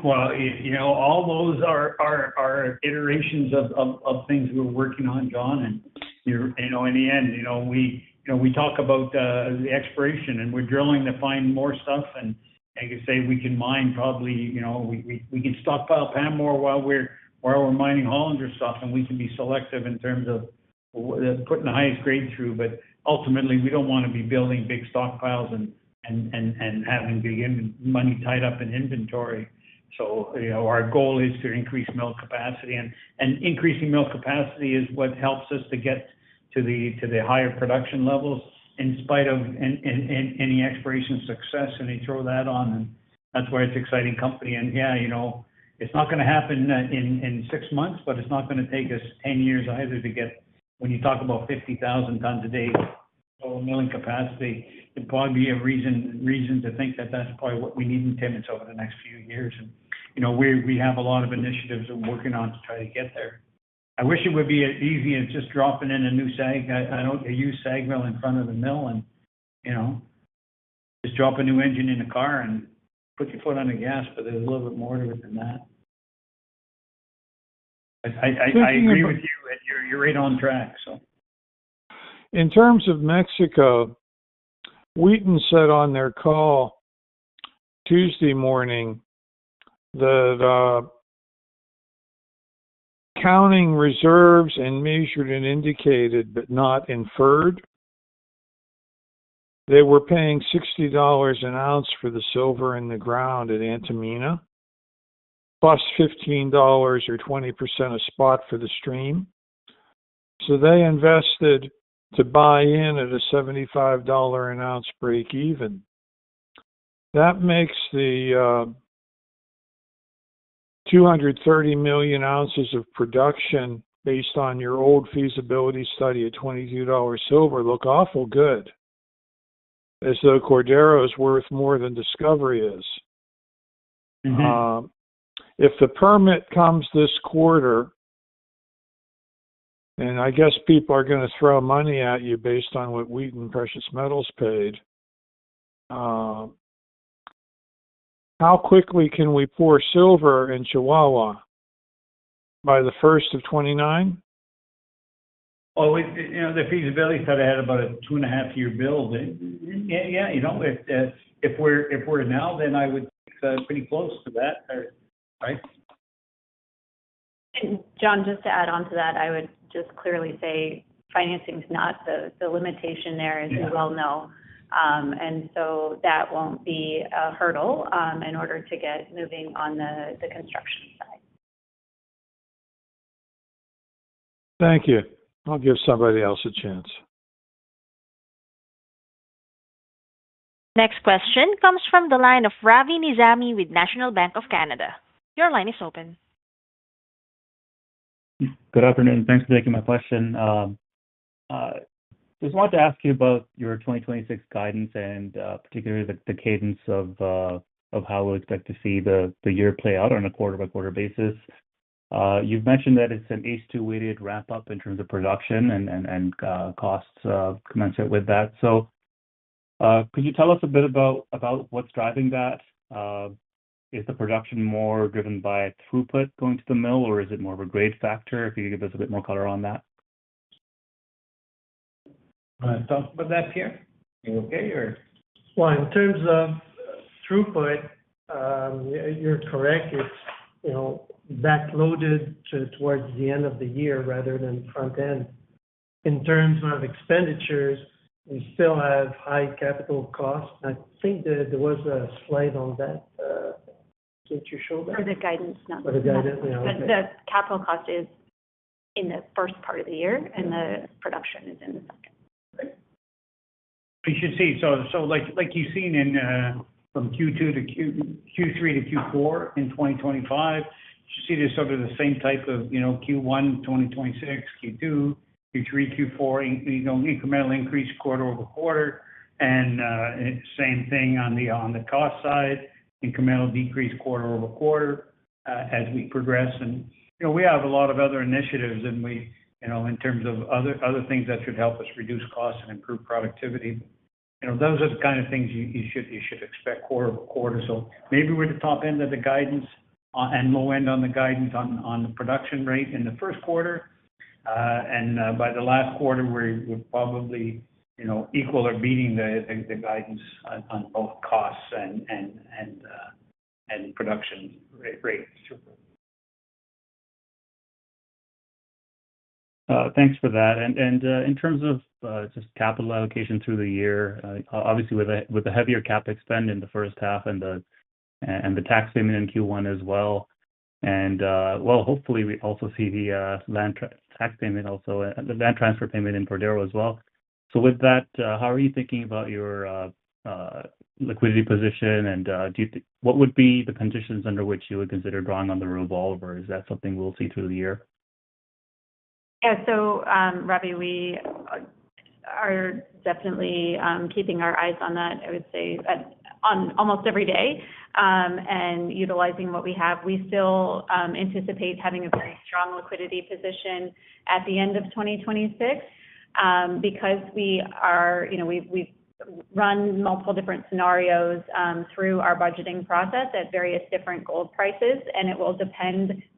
Well, you know, all those are iterations of things we're working on, John. And, you know, in the end, you know, we talk about the exploration, and we're drilling to find more stuff. And like I say, we can mine, probably, you know, we can stockpile Pamour while we're mining Hollinger stuff, and we can be selective in terms of putting the highest grade through. But ultimately, we don't want to be building big stockpiles and having big money tied up in inventory. So, you know, our goal is to increase mill capacity, and increasing mill capacity is what helps us to get to the higher production levels in spite of any exploration success, and they throw that on, and that's why it's exciting company. Yeah, you know, it's not gonna happen in six months, but it's not gonna take us 10 years either to get. When you talk about 50,000 tons a day of milling capacity, it'd probably be a reason to think that that's probably what we need in ten years over the next few years. And, you know, we have a lot of initiatives we're working on to try to get there. I wish it would be as easy as just dropping in a new SAG. I agree with you, and you're right on track, so. In terms of Mexico, Wheaton said on their call Tuesday morning that, counting reserves and measured and indicated, but not inferred, they were paying $60 an ounce for the silver in the ground at Antamina, + $15 or 20% of spot for the stream. So they invested to buy in at a $75 an ounce break even. That makes the, 230 million oz of production, based on your old feasibility study at $22 silver, look awful good, as though Cordero is worth more than Discovery is? Mm-hmm. If the permit comes this quarter, and I guess people are gonna throw money at you based on what Wheaton Precious Metals paid, how quickly can we pour silver in Chihuahua? By the first of 2029? Oh, you know, the feasibility study had about a 2.5-year build. Yeah, yeah, you know, if we're now, then I would think pretty close to that, right? John, just to add on to that, I would just clearly say financing is not the limitation there- Yeah. -as you well know. And so that won't be a hurdle in order to get moving on the construction side. Thank you. I'll give somebody else a chance. Next question comes from the line of Rabi Nizami with National Bank of Canada. Your line is open. Good afternoon. Thanks for taking my question. Just wanted to ask you about your 2026 guidance and, particularly the, the cadence of, of how we'd expect to see the, the year play out on a quarter-by-quarter basis. You've mentioned that it's an H2-weighted wrap-up in terms of production and, costs, commensurate with that. So, could you tell us a bit about, about what's driving that? Is the production more driven by throughput going to the mill, or is it more of a grade factor? If you could give us a bit more color on that. You want to talk about that, Pierre? Are you okay, or? Well, in terms of throughput, you're correct. It's, you know, backloaded towards the end of the year rather than front end. In terms of expenditures, we still have high capital costs. I think there was a slide on that, did you show that? For the guidance, not- For the guidance, yeah. But the capital cost is in the first part of the year, and the production is in the second. You should see, so, so like, like you've seen in, from Q2-Q3-Q4 in 2025. You see this sort of the same type of, you know, Q1 2026, Q2, Q3, Q4, in, you know, incremental increase quarter-over-quarter. And same thing on the cost side, incremental decrease quarter-over-quarter, as we progress. And, you know, we have a lot of other initiatives, and we, you know, in terms of other, other things that should help us reduce costs and improve productivity. You know, those are the kind of things you should expect quarter-over-quarter. So maybe we're the top end of the guidance and low end on the guidance on the production rate in the first quarter. By the last quarter, we're probably, you know, equal or beating the guidance on both costs and production rates. Thanks for that. And in terms of just capital allocation through the year, obviously, with the heavier CapEx spend in the first half and the tax payment in Q1 as well, and well, hopefully, we also see the land transfer tax payment also in Cordero as well. So with that, how are you thinking about your liquidity position, and do you – what would be the conditions under which you would consider drawing on the revolver? Is that something we'll see through the year? Yeah. So, Rabi, we are definitely keeping our eyes on that, I would say, on almost every day, and utilizing what we have. We still anticipate having a very strong liquidity position at the end of 2026, because we are, you know, we've run multiple different scenarios through our budgeting process at various different gold prices, and it will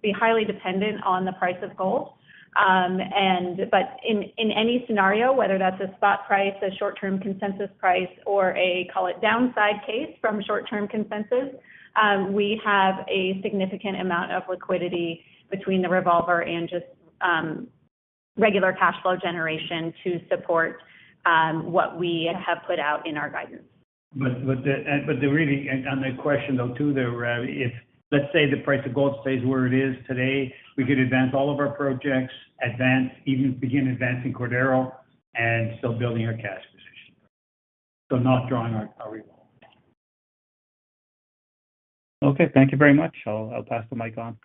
be highly dependent on the price of gold. And but in any scenario, whether that's a spot price, a short-term consensus price, or a call it downside case from short-term consensus, we have a significant amount of liquidity between the revolver and just regular cash flow generation to support what we have put out in our guidance. And on the question, Rabi, if let's say the price of gold stays where it is today, we could advance all of our projects, advance, even begin advancing Cordero, and still building our cash position. So not drawing our revolver. Okay, thank you very much. I'll pass the mic on.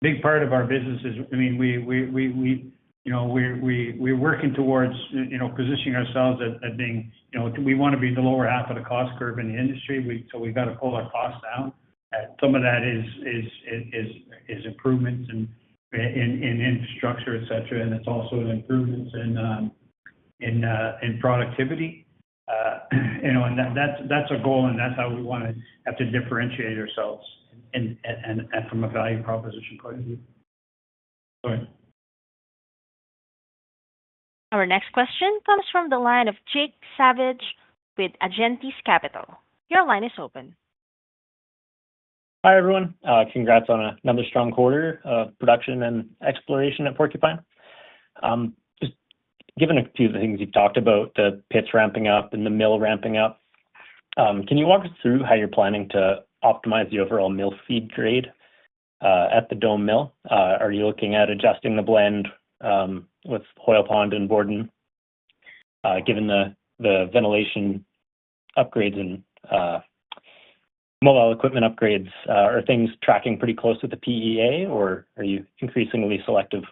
Big part of our business is, I mean, we, you know, we're working towards, you know, positioning ourselves at being, you know, we want to be the lower half of the cost curve in the industry. We. So we've got to pull our costs down. Some of that is improvements in infrastructure, et cetera, and it's also improvements in productivity. You know, and that's our goal, and that's how we wanna differentiate ourselves and from a value proposition point of view. Go ahead. Our next question comes from the line of Jake Savage with Agentis Capital. Your line is open. Hi, everyone. Congrats on another strong quarter of production and exploration at Porcupine. Just given a few of the things you've talked about, the pits ramping up and the mill ramping up, can you walk us through how you're planning to optimize the overall mill feed grade at the Dome Mill? Are you looking at adjusting the blend with Hoyle Pond and Borden, given the ventilation upgrades and mobile equipment upgrades? Are things tracking pretty close to the PEA, or are you increasingly selective?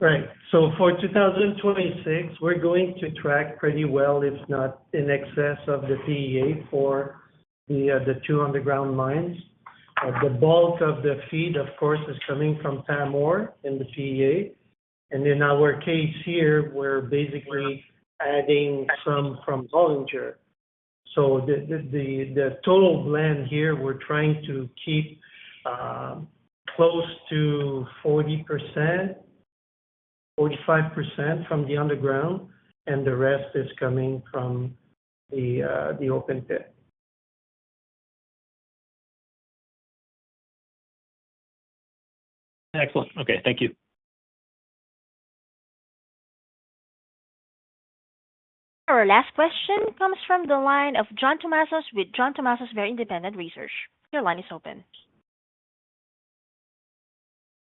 Right. So for 2026, we're going to track pretty well, if not in excess of the PEA, for the two underground mines. The bulk of the feed, of course, is coming from Pamour in the PEA. And in our case here, we're basically adding some from Hollinger. So the total blend here, we're trying to keep close to 40%-45% from the underground, and the rest is coming from the open pit. Excellent. Okay, thank you. Our last question comes from the line of John Tumazos with John Tumazos Very Independent Research. Your line is open.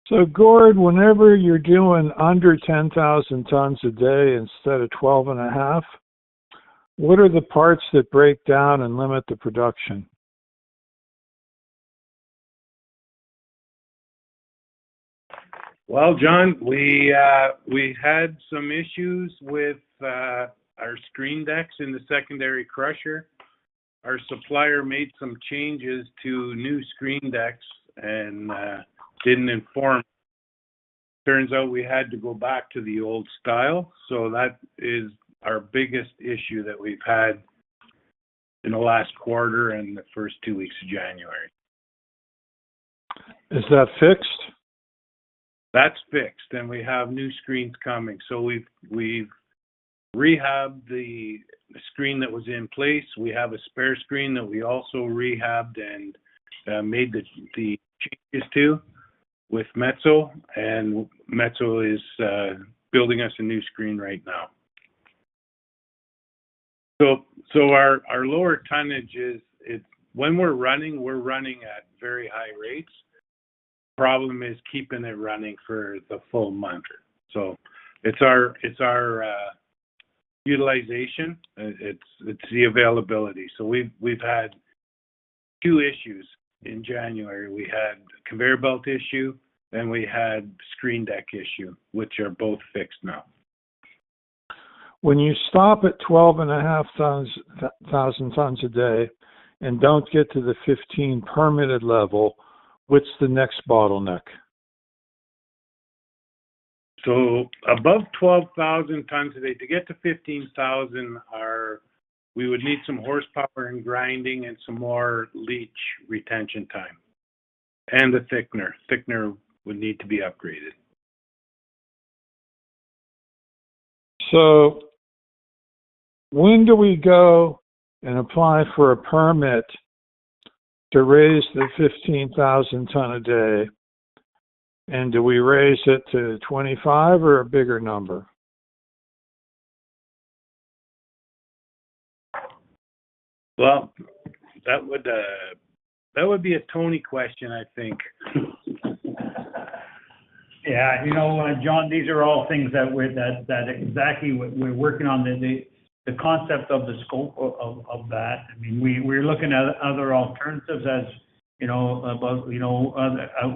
So, Gord, whenever you're doing under 10,000 tons a day instead of 12.5, what are the parts that break down and limit the production? Well, John, we had some issues with our screen decks in the secondary crusher. Our supplier made some changes to new screen decks and didn't inform. Turns out we had to go back to the old style, so that is our biggest issue that we've had in the last quarter and the first two weeks of January. Is that fixed? That's fixed, and we have new screens coming. So we've rehabbed the screen that was in place. We have a spare screen that we also rehabbed and made the changes to with Metso, and Metso is building us a new screen right now. So our lower tonnage is. When we're running, we're running at very high rates. Problem is keeping it running for the full month. So it's our utilization. It's the availability. So we've had two issues in January. We had a conveyor belt issue, then we had screen deck issue, which are both fixed now. When you stop at 12,500 tons a day, and don't get to the 15 permitted level, what's the next bottleneck? Above 12,000 tons a day, to get to 15,000 or, we would need some horsepower and grinding and some more leach retention time. The thickener would need to be upgraded. When do we go and apply for a permit to raise the 15,000 tons a day? And do we raise it to 25 or a bigger number? Well, that would be a Tony question, I think. Yeah, you know, John, these are all things that we're, that's exactly what we're working on, the concept of the scope of that. I mean, we're looking at other alternatives, as you know, about, you know,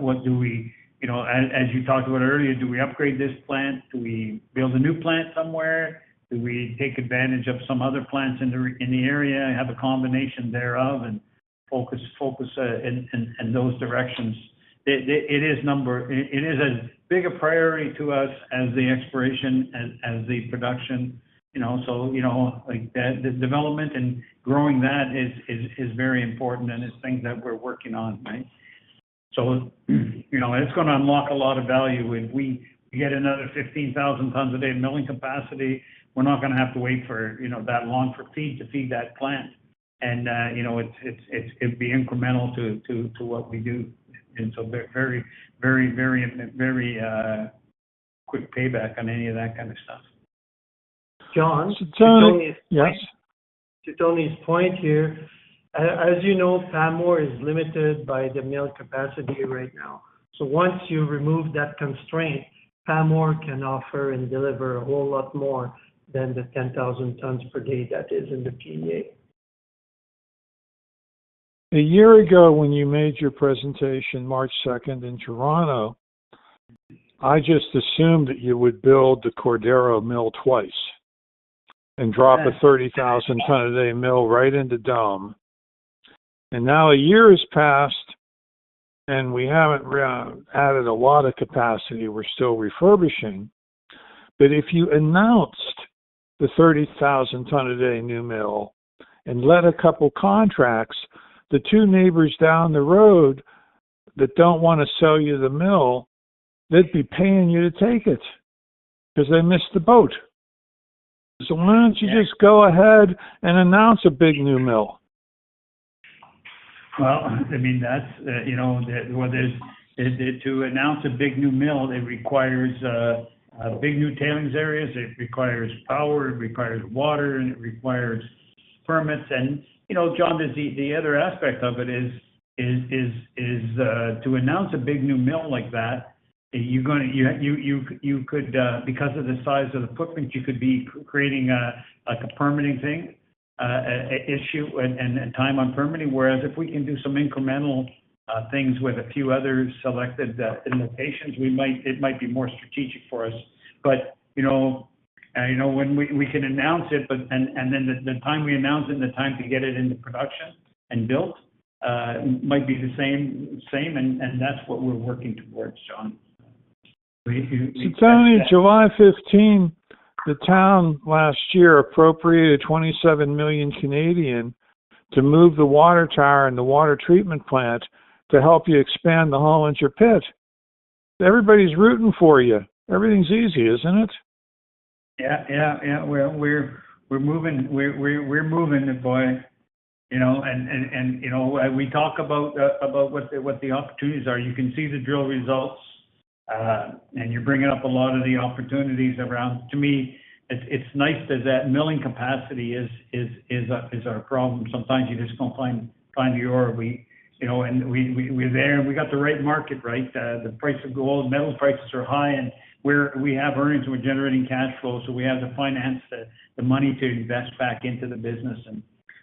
what do we, you know, as you talked about earlier, do we upgrade this plant? Do we build a new plant somewhere? Do we take advantage of some other plants in the area and have a combination thereof and focus in those directions? It is as big a priority to us as the exploration and as the production, you know, so, you know, like, the development and growing that is very important and is things that we're working on, right? So, you know, it's gonna unlock a lot of value. If we get another 15,000 tons a day milling capacity, we're not gonna have to wait for, you know, that long for feed to feed that plant. And, you know, it'd be incremental to what we do. And so very quick payback on any of that kind of stuff. John? So, yes. To Tony's point here, as you know, Pamour is limited by the mill capacity right now. So once you remove that constraint, Pamour can offer and deliver a whole lot more than the 10,000 tons per day that is in the PEA. A year ago, when you made your presentation, March second, in Toronto, I just assumed that you would build the Cordero mill twice and drop a 30,000 ton a day mill right into Dome. And now a year has passed, and we haven't added a lot of capacity. We're still refurbishing. But if you announced the 30,000 ton a day new mill and let a couple contracts, the two neighbors down the road that don't want to sell you the mill, they'd be paying you to take it because they missed the boat. So why don't you just go ahead and announce a big new mill? Well, I mean, that's, you know, to announce a big new mill, it requires a big new tailings areas, it requires power, it requires water, and it requires permits. And, you know, John, the other aspect of it is to announce a big new mill like that, you're gonna, you could, because of the size of the footprint, you could be creating a, like, a permitting thing, a issue and time on permitting. Whereas if we can do some incremental things with a few other selected indications, we might, it might be more strategic for us. But, you know, you know, when we can announce it, but, and then the time we announce it and the time to get it into production and built might be the same, and that's what we're working towards, John. So Tony, July 15, the town last year appropriated 27 million to move the water tower and the water treatment plant to help you expand the Hollinger pit. Everybody's rooting for you. Everything's easy, isn't it? Yeah, yeah, yeah, we're moving, boy. You know, we talk about what the opportunities are. You can see the drill results, and you're bringing up a lot of the opportunities around. To me, it's nice that that milling capacity is our problem. Sometimes you just don't find the ore. You know, we're there, and we got the right market, right? The price of gold, metal prices are high, and we have earnings, we're generating cash flow, so we have the finance, the money to invest back into the business, and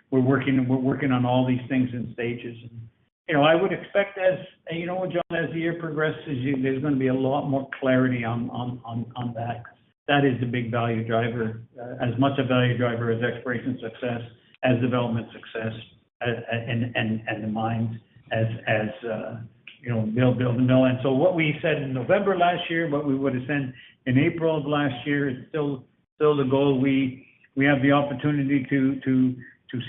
we're working on all these things in stages. You know, I would expect as, you know, John, as the year progresses, there's gonna be a lot more clarity on that. That is the big value driver, as much a value driver as exploration success, as development success, and the mine as, you know, build the mill. And so what we said in November last year, what we would have said in April of last year, is still the goal. We have the opportunity to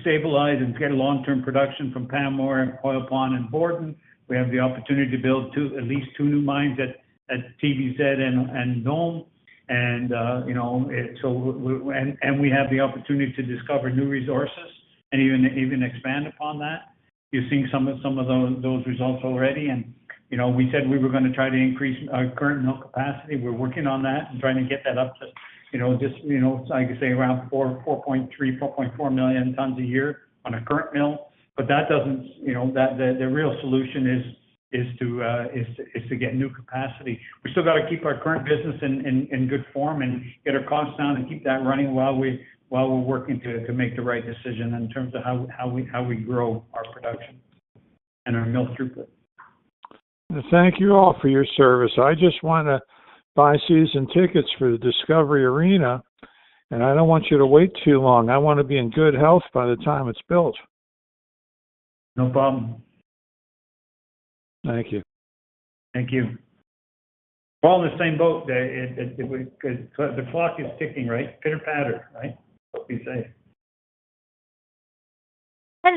stabilize and get long-term production from Pamour and Hoyle Pond and Borden. We have the opportunity to build two, at least two new mines at TVZ and Dome. And, you know, and we have the opportunity to discover new resources and even expand upon that. You're seeing some of those results already. You know, we said we were gonna try to increase our current mill capacity. We're working on that and trying to get that up to, you know, I can say around 4.3 million-4.4 million tons a year on a current mill, but that doesn't, you know, the real solution is to get new capacity. We still got to keep our current business in good form and get our costs down and keep that running while we're working to make the right decision in terms of how we grow our production and our mill throughput. Thank you all for your service. I just wanna buy season tickets for the Discovery Arena, and I don't want you to wait too long. I want to be in good health by the time it's built. No problem. Thank you. Thank you. We're all in the same boat there. Because the clock is ticking, right? Pitter-patter, right? So be safe.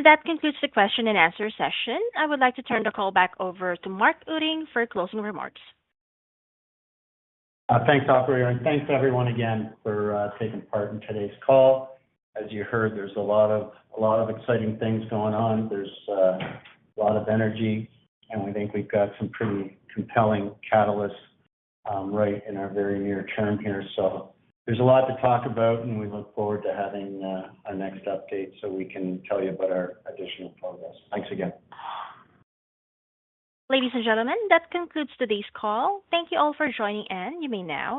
That concludes the question and answer session. I would like to turn the call back over to Mark Utting for closing remarks. Thanks, operator, and thanks, everyone again, for taking part in today's call. As you heard, there's a lot of, a lot of exciting things going on. There's a lot of energy, and we think we've got some pretty compelling catalysts, right in our very near term here. So there's a lot to talk about, and we look forward to having our next update, so we can tell you about our additional progress. Thanks again. Ladies and gentlemen, that concludes today's call. Thank you all for joining, and you may now disconnect.